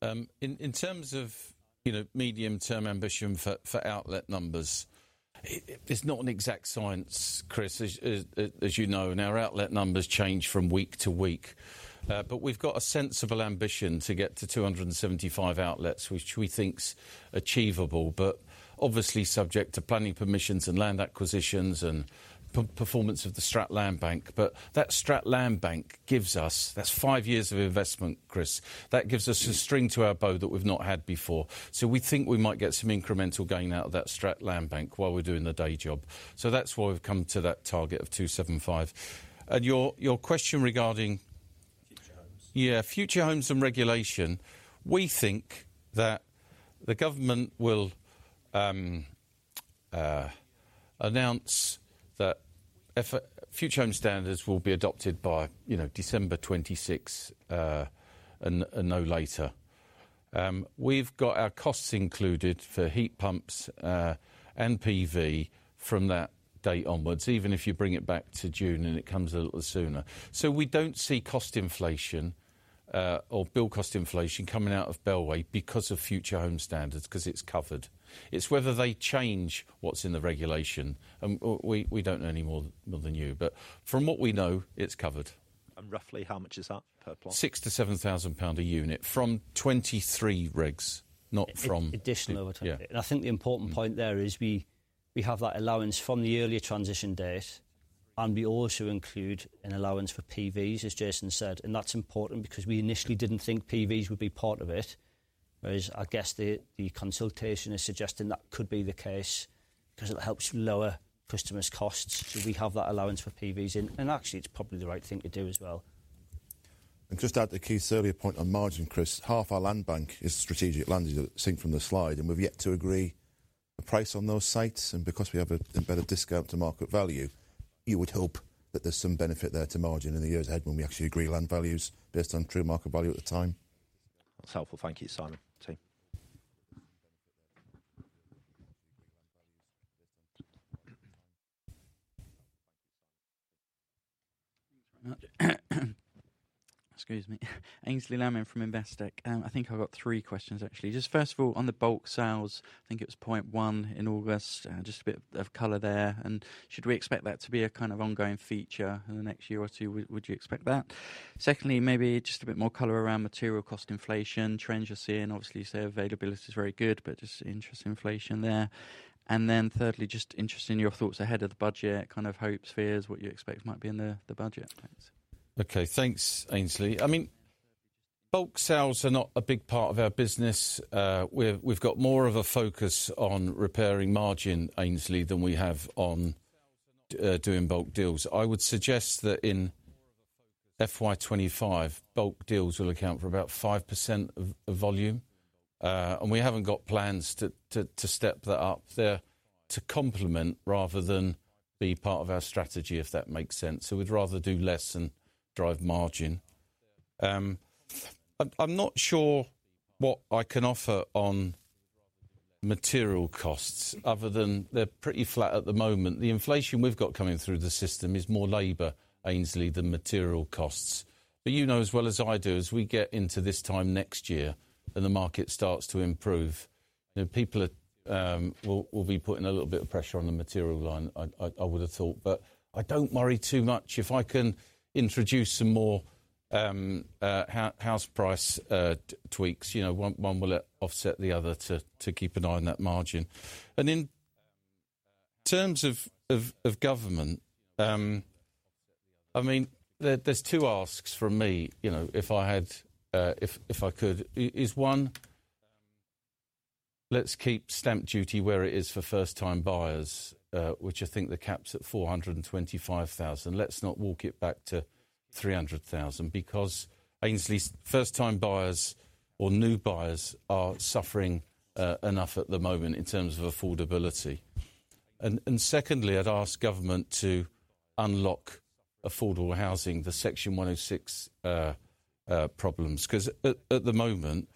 In terms of, you know, medium-term ambition for outlet numbers, it's not an exact science, Chris, as you know, and our outlet numbers change from week to week. But we've got a sensible ambition to get to two hundred and seventy-five outlets, which we think is achievable, but obviously subject to planning permissions and land acquisitions and performance of the strat land bank. But that strat land bank gives us, that's five years of investment, Chris. That gives us a string to our bow that we've not had before. So we think we might get some incremental gain out of that strat land bank while we're doing the day job. So that's why we've come to that target of two seventy-five. And your question regarding- Future homes. Yeah, future homes and regulation. We think that the government will announce that Future Homes Standard will be adopted by, you know, December twenty-six, and no later. We've got our costs included for heat pumps, and PV from that date onwards, even if you bring it back to June and it comes a little sooner. So we don't see cost inflation, or build cost inflation coming out of Bellway because of Future Homes Standard, because it's covered. It's whether they change what's in the regulation, and we don't know any more than you. But from what we know, it's covered. Roughly how much is that per plot? 6,000-7,000 pound a unit from 23 rigs, not from- Additional. Yeah. I think the important point there is we have that allowance from the earlier transition date, and we also include an allowance for PVs, as Jason said, and that's important because we initially didn't think PVs would be part of it. Whereas I guess the consultation is suggesting that could be the case because it helps lower customers' costs. We have that allowance for PVs, and actually, it's probably the right thing to do as well. Just add to Keith's earlier point on margin, Chris. Half our land bank is strategic land, as you can see from the slide, and we've yet to agree a price on those sites. Because we have an embedded discount to market value, you would hope that there's some benefit there to margin in the years ahead when we actually agree land values based on true market value at the time. That's helpful. Thank you, Simon. Team. Excuse me. Aynsley Lammin from Investec. I think I've got three questions, actually. Just first of all, on the bulk sales, I think it was point one in August, just a bit of color there. And should we expect that to be a kind of ongoing feature in the next year or two? Would you expect that? Secondly, maybe just a bit more color around material cost inflation, trends you're seeing. Obviously, you say availability is very good, but just any inflation there. And then thirdly, just interested in your thoughts ahead of the budget, kind of hopes, fears, what you expect might be in the budget, please. Okay, thanks, Aynsley. I mean, bulk sales are not a big part of our business. We've got more of a focus on repairing margin, Aynsley, than we have on doing bulk deals. I would suggest that in FY twenty-five, bulk deals will account for about 5% of volume, and we haven't got plans to step that up. They're to complement rather than be part of our strategy, if that makes sense. So we'd rather do less and drive margin. I'm not sure what I can offer on material costs other than they're pretty flat at the moment. The inflation we've got coming through the system is more labor, Aynsley, than material costs. But you know as well as I do, as we get into this time next year, and the market starts to improve, then people will be putting a little bit of pressure on the material line, I would have thought. But I don't worry too much. If I can introduce some more house price tweaks, you know, one will offset the other to keep an eye on that margin. And in terms of government, I mean, there's two asks from me, you know, if I had if I could. One is: Let's keep stamp duty where it is for first-time buyers, which I think the cap's at four hundred and twenty-five thousand. Let's not walk it back to three hundred thousand, because Aynsley's first-time buyers or new buyers are suffering enough at the moment in terms of affordability. And secondly, I'd ask government to unlock affordable housing, the Section 106 problems, 'cause at the moment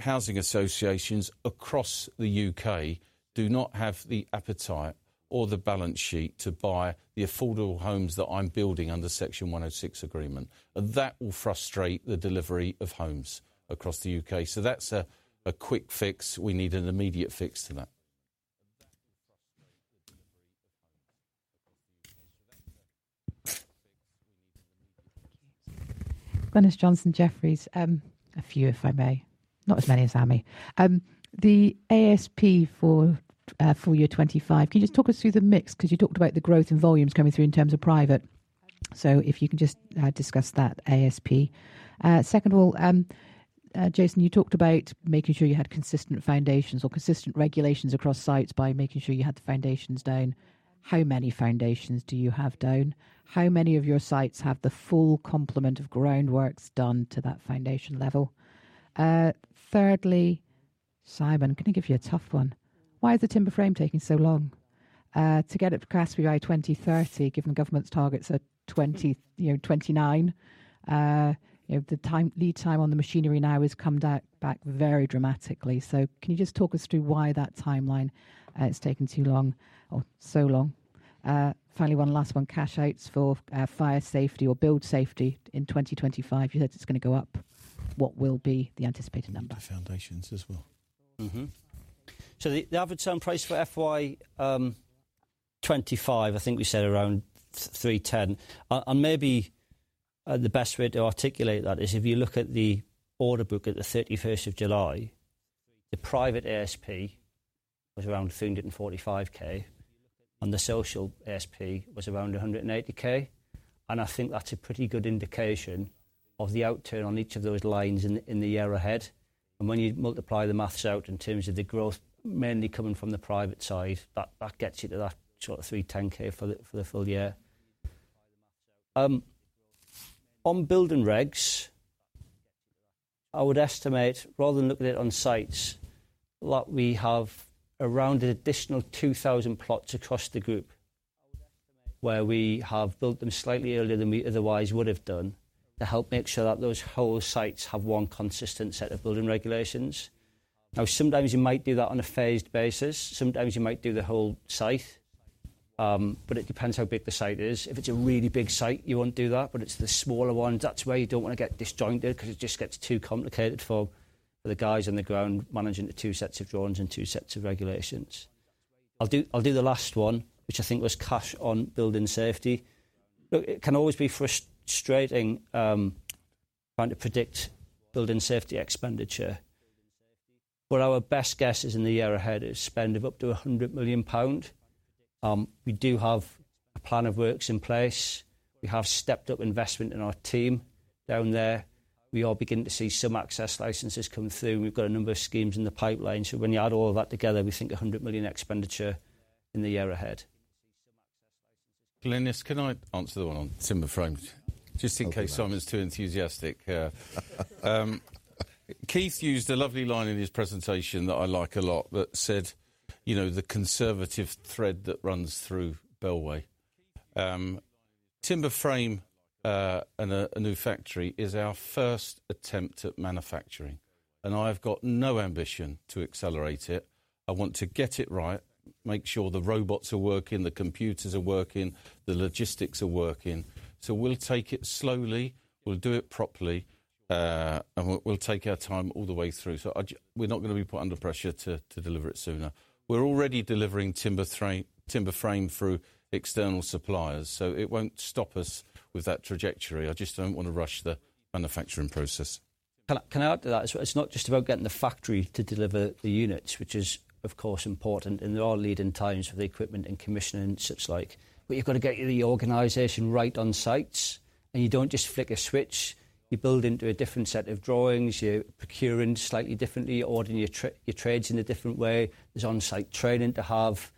housing associations across the UK do not have the appetite or the balance sheet to buy the affordable homes that I'm building under Section 106 agreement, and that will frustrate the delivery of homes across the UK. So that's a quick fix. We need an immediate fix to that. Glynis Johnson, Jefferies. A few, if I may. Not as many as Ami. The ASP for full year 2025, can you just talk us through the mix? 'Cause you talked about the growth in volumes coming through in terms of private. So if you can just discuss that ASP. Second of all, Jason, you talked about making sure you had consistent foundations or consistent regulations across sites by making sure you had the foundations down. How many foundations do you have down? How many of your sites have the full complement of groundworks done to that foundation level? Thirdly, Simon, can I give you a tough one? Why is the timber frame taking so long to get it to Class B by 2030, given government's targets are 2029? You know, the lead time on the machinery now has come down back very dramatically, so can you just talk us through why that timeline has taken too long or so long? Finally, one last one, cash outs for fire safety or build safety in twenty twenty-five. You said it's gonna go up. What will be the anticipated number? By foundations as well. Mm-hmm. So the average term price for FY 2025, I think we said around 310,000. And maybe the best way to articulate that is if you look at the order book at the 31st of July, the private ASP was around 345,000, and the social ASP was around 180,000. And I think that's a pretty good indication of the outturn on each of those lines in the year ahead. And when you multiply the maths out in terms of the growth, mainly coming from the private side, that gets you to that sort of 310,000 for the full year. On building regs, I would estimate, rather than looking at it on sites, that we have around an additional two thousand plots across the group, where we have built them slightly earlier than we otherwise would have done to help make sure that those whole sites have one consistent set of building regulations. Now, sometimes you might do that on a phased basis, sometimes you might do the whole site, but it depends how big the site is. If it's a really big site, you wouldn't do that, but it's the smaller ones. That's where you don't want to get disjointed because it just gets too complicated for the guys on the ground managing the two sets of drawings and two sets of regulations. I'll do the last one, which I think was cash on building safety. Look, it can always be frustrating, trying to predict building safety expenditure. But our best guess is in the year ahead is spend of up to 100 million pound. We do have a plan of works in place. We have stepped up investment in our team down there. We are beginning to see some access licenses come through. We've got a number of schemes in the pipeline. So when you add all of that together, we think 100 million expenditure in the year ahead. Glynis, can I answer the one on timber frames? Just in case Simon's too enthusiastic. Keith used a lovely line in his presentation that I like a lot, that said, you know, the conservative thread that runs through Bellway. Timber frame and a new factory is our first attempt at manufacturing, and I've got no ambition to accelerate it. I want to get it right, make sure the robots are working, the computers are working, the logistics are working. So we'll take it slowly, we'll do it properly, and we'll take our time all the way through. So we're not going to be put under pressure to deliver it sooner. We're already delivering timber frame through external suppliers, so it won't stop us with that trajectory. I just don't want to rush the manufacturing process. Can I, can I add to that? It's, it's not just about getting the factory to deliver the units, which is, of course, important, and there are lead-in times for the equipment and commissioning and such like. But you've got to get your organization right on sites, and you don't just flick a switch. You build into a different set of drawings, you're procuring slightly differently, you're ordering your trades in a different way. There's on-site training to have.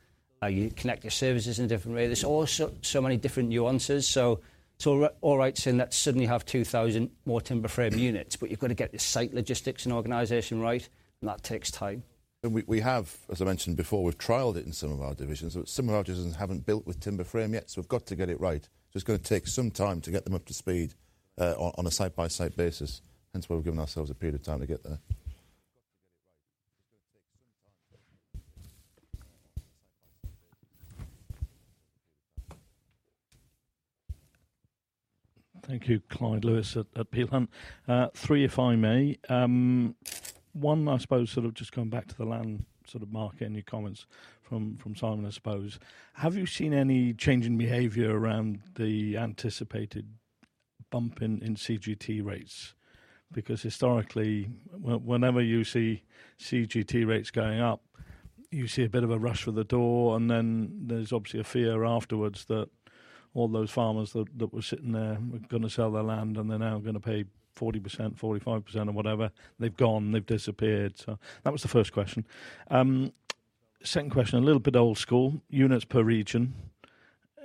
You connect your services in a different way. There's also so many different nuances. So it's all, all right saying that suddenly you have two thousand more timber frame units, but you've got to get the site logistics and organization right, and that takes time. We have, as I mentioned before, we've trailled it in some of our divisions. Some of our divisions haven't built with timber frame yet, so we've got to get it right. It's going to take some time to get them up to speed on a site-by-site basis, hence why we've given ourselves a period of time to get there. Thank you. Clyde Lewis at Peel Hunt. Three, if I may. One, I suppose, sort of just coming back to the land, sort of marking your comments from Simon, I suppose. Have you seen any change in behavior around the anticipated bump in CGT rates? Because historically, whenever you see CGT rates going up, you see a bit of a rush for the door, and then there's obviously a fear afterwards that all those farmers that were sitting there were gonna sell their land, and they're now gonna pay 40%, 45% or whatever. They've gone, they've disappeared. So that was the first question. Second question, a little bit old school, units per region.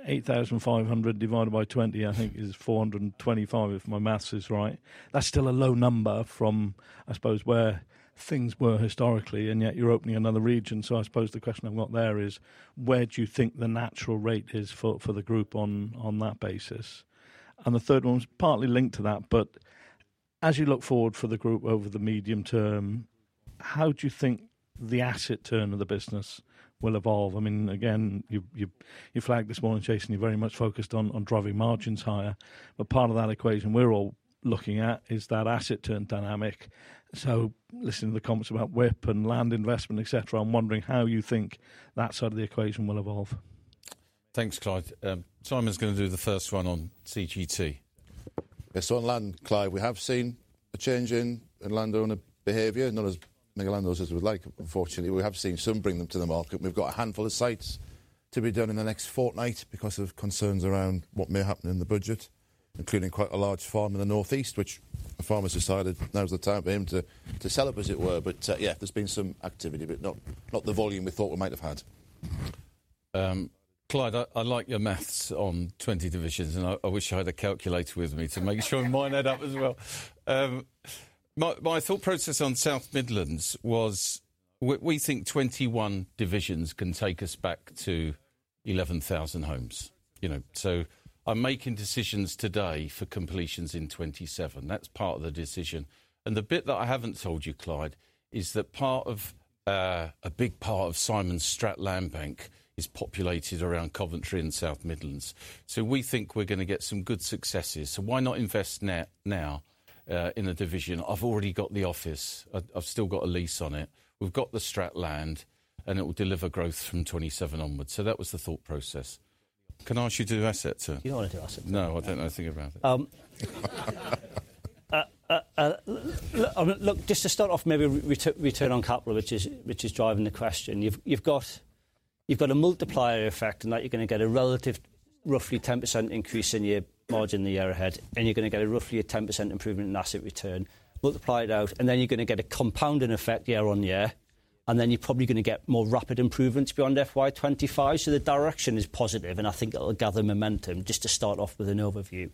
Eight thousand five hundred divided by twenty, I think, is four hundred and twenty-five, if my math is right. That's still a low number from, I suppose, where things were historically, and yet you're opening another region. So I suppose the question I've got there is: Where do you think the natural rate is for the group on that basis? And the third one's partly linked to that, but as you look forward for the group over the medium term, how do you think the asset turn of the business will evolve? I mean, again, you flagged this morning, Jason, you're very much focused on driving margins higher, but part of that equation we're all looking at is that asset turn dynamic. So listening to the comments about WIP and land investment, et cetera, I'm wondering how you think that side of the equation will evolve. Thanks, Clyde. Simon's gonna do the first one on CGT. Yes, so on land, Clyde, we have seen a change in landowner behavior. Not as many landowners as we'd like, unfortunately. We have seen some bring them to the market, and we've got a handful of sites to be done in the next fortnight because of concerns around what may happen in the budget, including quite a large farm in the North East, which the farmer's decided now is the time for him to sell it, as it were. But, yeah, there's been some activity, but not the volume we thought we might have had. Clyde, I like your math on 20 divisions, and I wish I had a calculator with me to make sure mine add up as well. My thought process on South Midlands was we think 21 divisions can take us back to 11,000 homes, you know? So I'm making decisions today for completions in 2027. That's part of the decision. And the bit that I haven't told you, Clyde, is that part of a big part of Simon's Strategic Land bank is populated around Coventry and South Midlands. So we think we're gonna get some good successes, so why not invest now in a division? I've already got the office. I've still got a lease on it. We've got the Strategic Land, and it will deliver growth from 2027 onwards. So that was the thought process. Can I ask you to do asset turn? You don't wanna do asset? No, I don't know a thing about it. I mean, look, just to start off, maybe return on capital, which is driving the question. You've got a multiplier effect, in that you're gonna get a relative, roughly 10% increase in your margin in the year ahead, and you're gonna get roughly a 10% improvement in asset return. Multiply it out, and then you're gonna get a compounding effect year on year, and then you're probably gonna get more rapid improvements beyond FY 2025. So the direction is positive, and I think it'll gather momentum just to start off with an overview.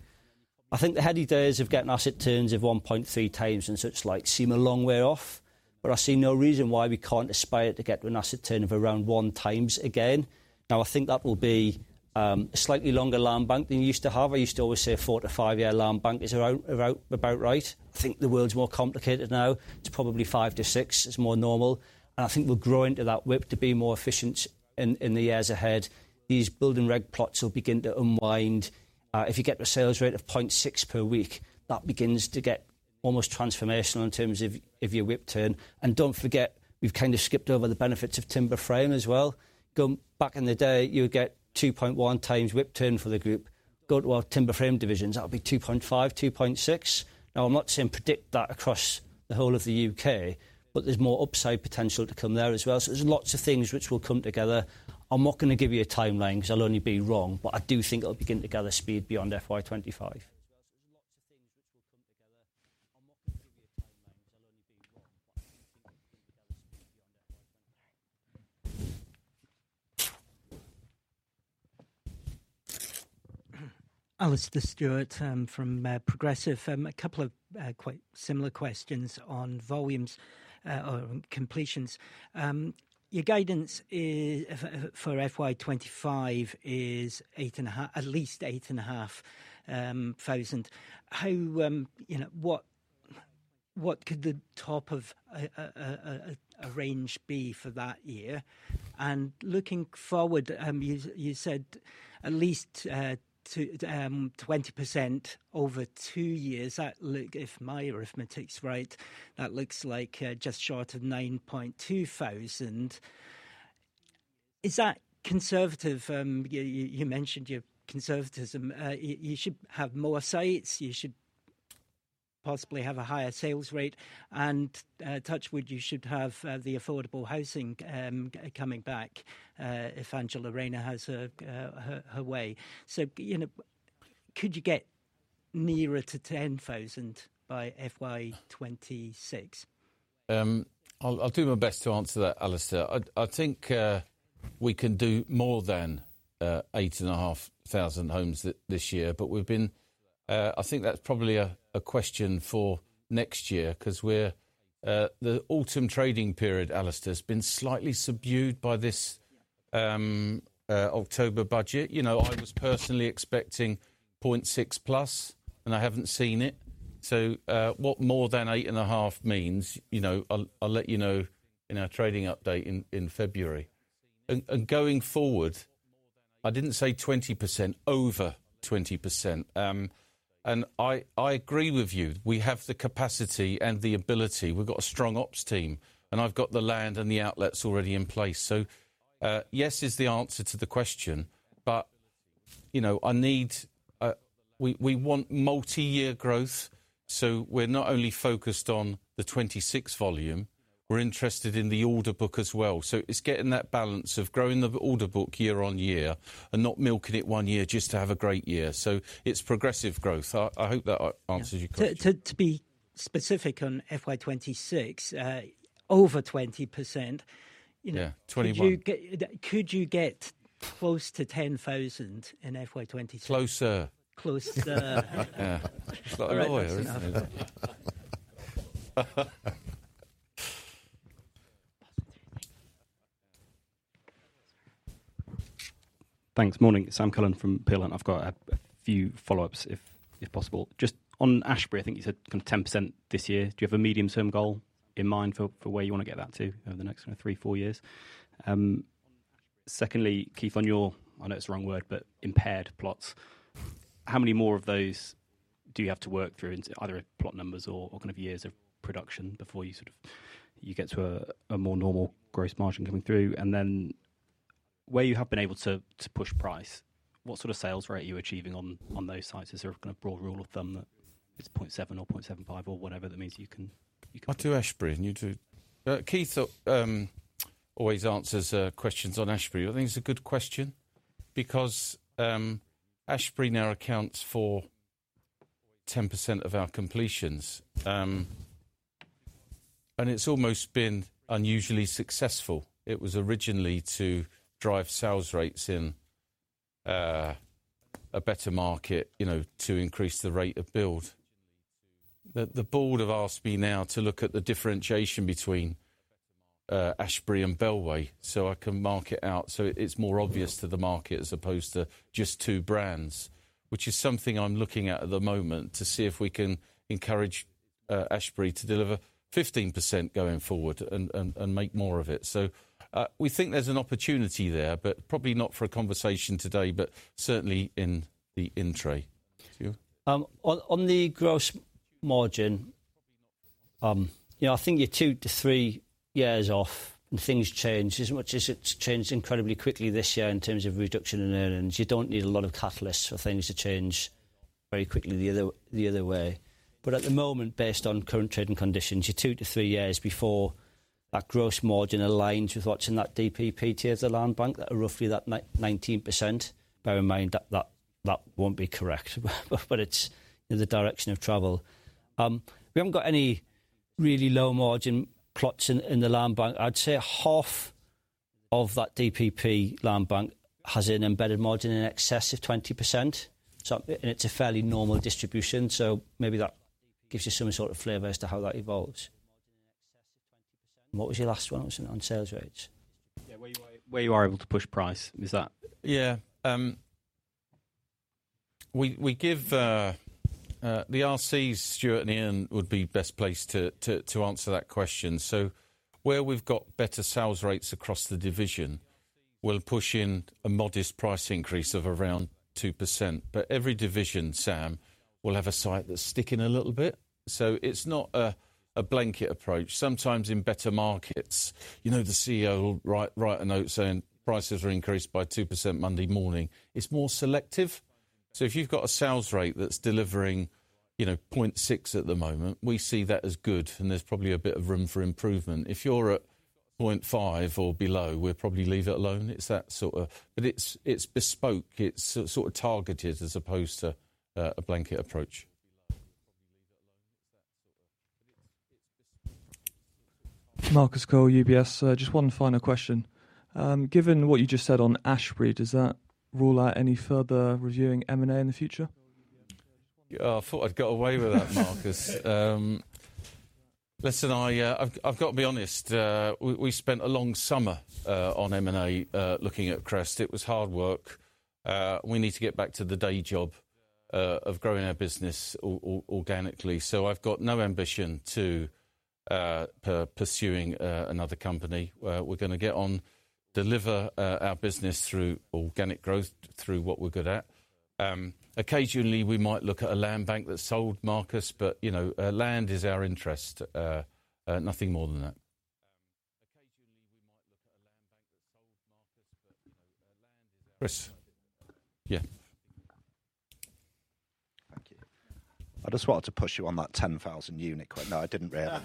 I think the heady days of getting asset turns of 1.3 times, and such like, seem a long way off, but I see no reason why we can't aspire to get to an asset turn of around 1 time again. Now, I think that will be a slightly longer land bank than you used to have. I used to always say a four- to five-year land bank is around about right. I think the world's more complicated now. It's probably five- to six- is more normal, and I think we'll grow into that WIP to be more efficient in the years ahead. These building reg plots will begin to unwind. If you get a sales rate of 0.6 per week, that begins to get almost transformational in terms of your WIP turn. And don't forget, we've kind of skipped over the benefits of timber frame as well. Back in the day, you would get 2.1 times WIP turn for the group. Go to our timber frame divisions, that would be 2.5, 2.6. Now, I'm not saying predict that across the whole of the UK, but there's more upside potential to come there as well. So there's lots of things which will come together. I'm not gonna give you a timeline 'cause I'll only be wrong, but I do think it'll begin to gather speed beyond FY 2025. Alastair Stewart from Progressive. A couple of quite similar questions on volumes or completions. Your guidance for FY 2025 is at least 8.5 thousand. You know, what could the top of a range be for that year? And looking forward, you said at least 20% over two years. If my arithmetic's right, that looks like just short of 9.2 thousand. Is that conservative? You mentioned your conservatism. You should have more sites, you should possibly have a higher sales rate, and touch wood, you should have the affordable housing coming back if Angela Rayner has her way. So, you know, could you get nearer to 10,000 by FY 2026? I'll do my best to answer that, Alastair. I think we can do more than eight and a half thousand homes this year, but we've been... I think that's probably a question for next year, 'cause the autumn trading period, Alastair, has been slightly subdued by this October budget. You know, I was personally expecting point six plus, and I haven't seen it. So, what more than eight and a half means, you know, I'll let you know in our trading update in February. And going forward, I didn't say 20%, over 20%. And I agree with you. We have the capacity and the ability. We've got a strong ops team, and I've got the land and the outlets already in place. So, yes is the answer to the question, but-... you know, I need, we, we want multi-year growth, so we're not only focused on the twenty-six volume, we're interested in the order book as well. So it's getting that balance of growing the order book year on year and not milking it one year just to have a great year. So it's progressive growth. I, I hope that answers your question. To be specific on FY 2026, over 20%, you know- Yeah, twenty-one. Could you get close to ten thousand in FY 2026? Closer. Closer. Yeah. Thanks. Morning, Sam Cullen from Peel Hunt, and I've got a few follow-ups, if possible. Just on Ashberry, I think you said kind of 10% this year. Do you have a medium-term goal in mind for where you want to get that to over the next kind of three, four years? Secondly, Keith, on your, I know it's the wrong word, but impaired plots, how many more of those do you have to work through into either plot numbers or kind of years of production before you sort of, you get to a more normal gross margin coming through? And then, where you have been able to push price, what sort of sales rate are you achieving on those sites? Is there a kind of broad rule of thumb that it's point seven or point seven five or whatever that means you can- I'll do Ashberry, and you do... Keith always answers questions on Ashberry. I think it's a good question because Ashberry now accounts for 10% of our completions. And it's almost been unusually successful. It was originally to drive sales rates in a better market, you know, to increase the rate of build. The board have asked me now to look at the differentiation between Ashberry and Bellway, so I can mark it out, so it's more obvious to the market as opposed to just two brands, which is something I'm looking at at the moment, to see if we can encourage Ashberry to deliver 15% going forward and make more of it. So we think there's an opportunity there, but probably not for a conversation today, but certainly in the in-tray. Keith? On the gross margin, you know, I think you're two to three years off, and things change. As much as it's changed incredibly quickly this year in terms of reduction in earnings, you don't need a lot of catalysts for things to change very quickly the other way. But at the moment, based on current trading conditions, you're two to three years before that gross margin aligns with what's in that DPP tier of the land bank, that roughly 9%-19%. Bear in mind, that won't be correct, but it's in the direction of travel. We haven't got any really low margin plots in the land bank. I'd say half of that DPP land bank has an embedded margin in excess of 20%, so, and it's a fairly normal distribution, so maybe that gives you some sort of flavor as to how that evolves. What was your last one on sales rates? Yeah, where you are able to push price, is that- Yeah, we give. The RCs, Stuart and Ian, would be best placed to answer that question. So where we've got better sales rates across the division, we'll push in a modest price increase of around 2%. But every division, Sam, will have a site that's sticking a little bit, so it's not a blanket approach. Sometimes in better markets, you know, the CEO will write a note saying. "Prices are increased by 2% Monday morning." It's more selective. So if you've got a sales rate that's delivering, you know, point six at the moment, we see that as good, and there's probably a bit of room for improvement. If you're at point five or below, we'll probably leave it alone. It's that sort of. But it's bespoke, it's sort of targeted, as opposed to a blanket approach. Marcus Cole, UBS. Just one final question. Given what you just said on Ashberry, does that rule out any further reviewing M&A in the future? Yeah, I thought I'd got away with that, Marcus. Listen, I've got to be honest, we spent a long summer on M&A looking at Crest. It was hard work. We need to get back to the day job of growing our business organically. So I've got no ambition to pursuing another company. We're gonna get on, deliver our business through organic growth, through what we're good at. Occasionally, we might look at a land bank that's sold, Marcus, but you know, land is our interest, nothing more than that. Chris? Yeah. Thank you. I just wanted to push you on that ten thousand unit quick. No, I didn't really.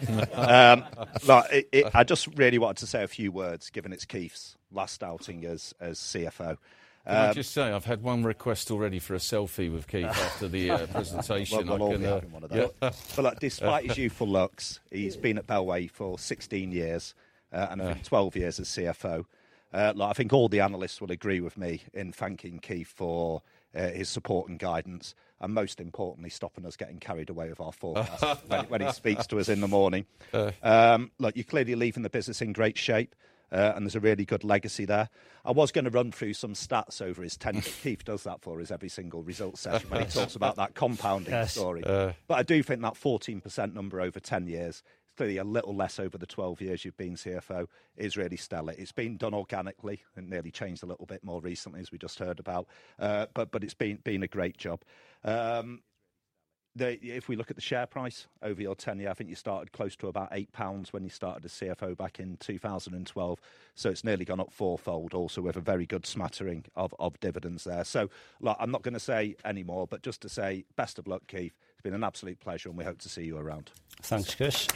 I just really wanted to say a few words, given it's Keith's last outing as CFO. Can I just say, I've had one request already for a selfie with Keith after the presentation. I can, I'll get one of those. Yeah. But despite his youthful looks, he's been at Bellway for 16 years, and 12 years as CFO. Like, I think all the analysts will agree with me in thanking Keith for his support and guidance, and most importantly, stopping us getting carried away with our forecasts when he speaks to us in the morning. Perfect. Look, you're clearly leaving the business in great shape, and there's a really good legacy there. I was going to run through some stats over his tenure. Keith does that for us every single results session, when he talks about that compounding story. Yes. Uh. But I do think that 14% number over ten years, it's clearly a little less over the twelve years you've been CFO, is really stellar. It's been done organically and nearly changed a little bit more recently, as we just heard about, but it's been a great job. If we look at the share price over your ten year, I think you started close to about 8 pounds when you started as CFO back in 2012, so it's nearly gone up fourfold. Also, we have a very good smattering of dividends there. So, look, I'm not going to say any more, but just to say, best of luck, Keith. It's been an absolute pleasure, and we hope to see you around. Thanks, Kush.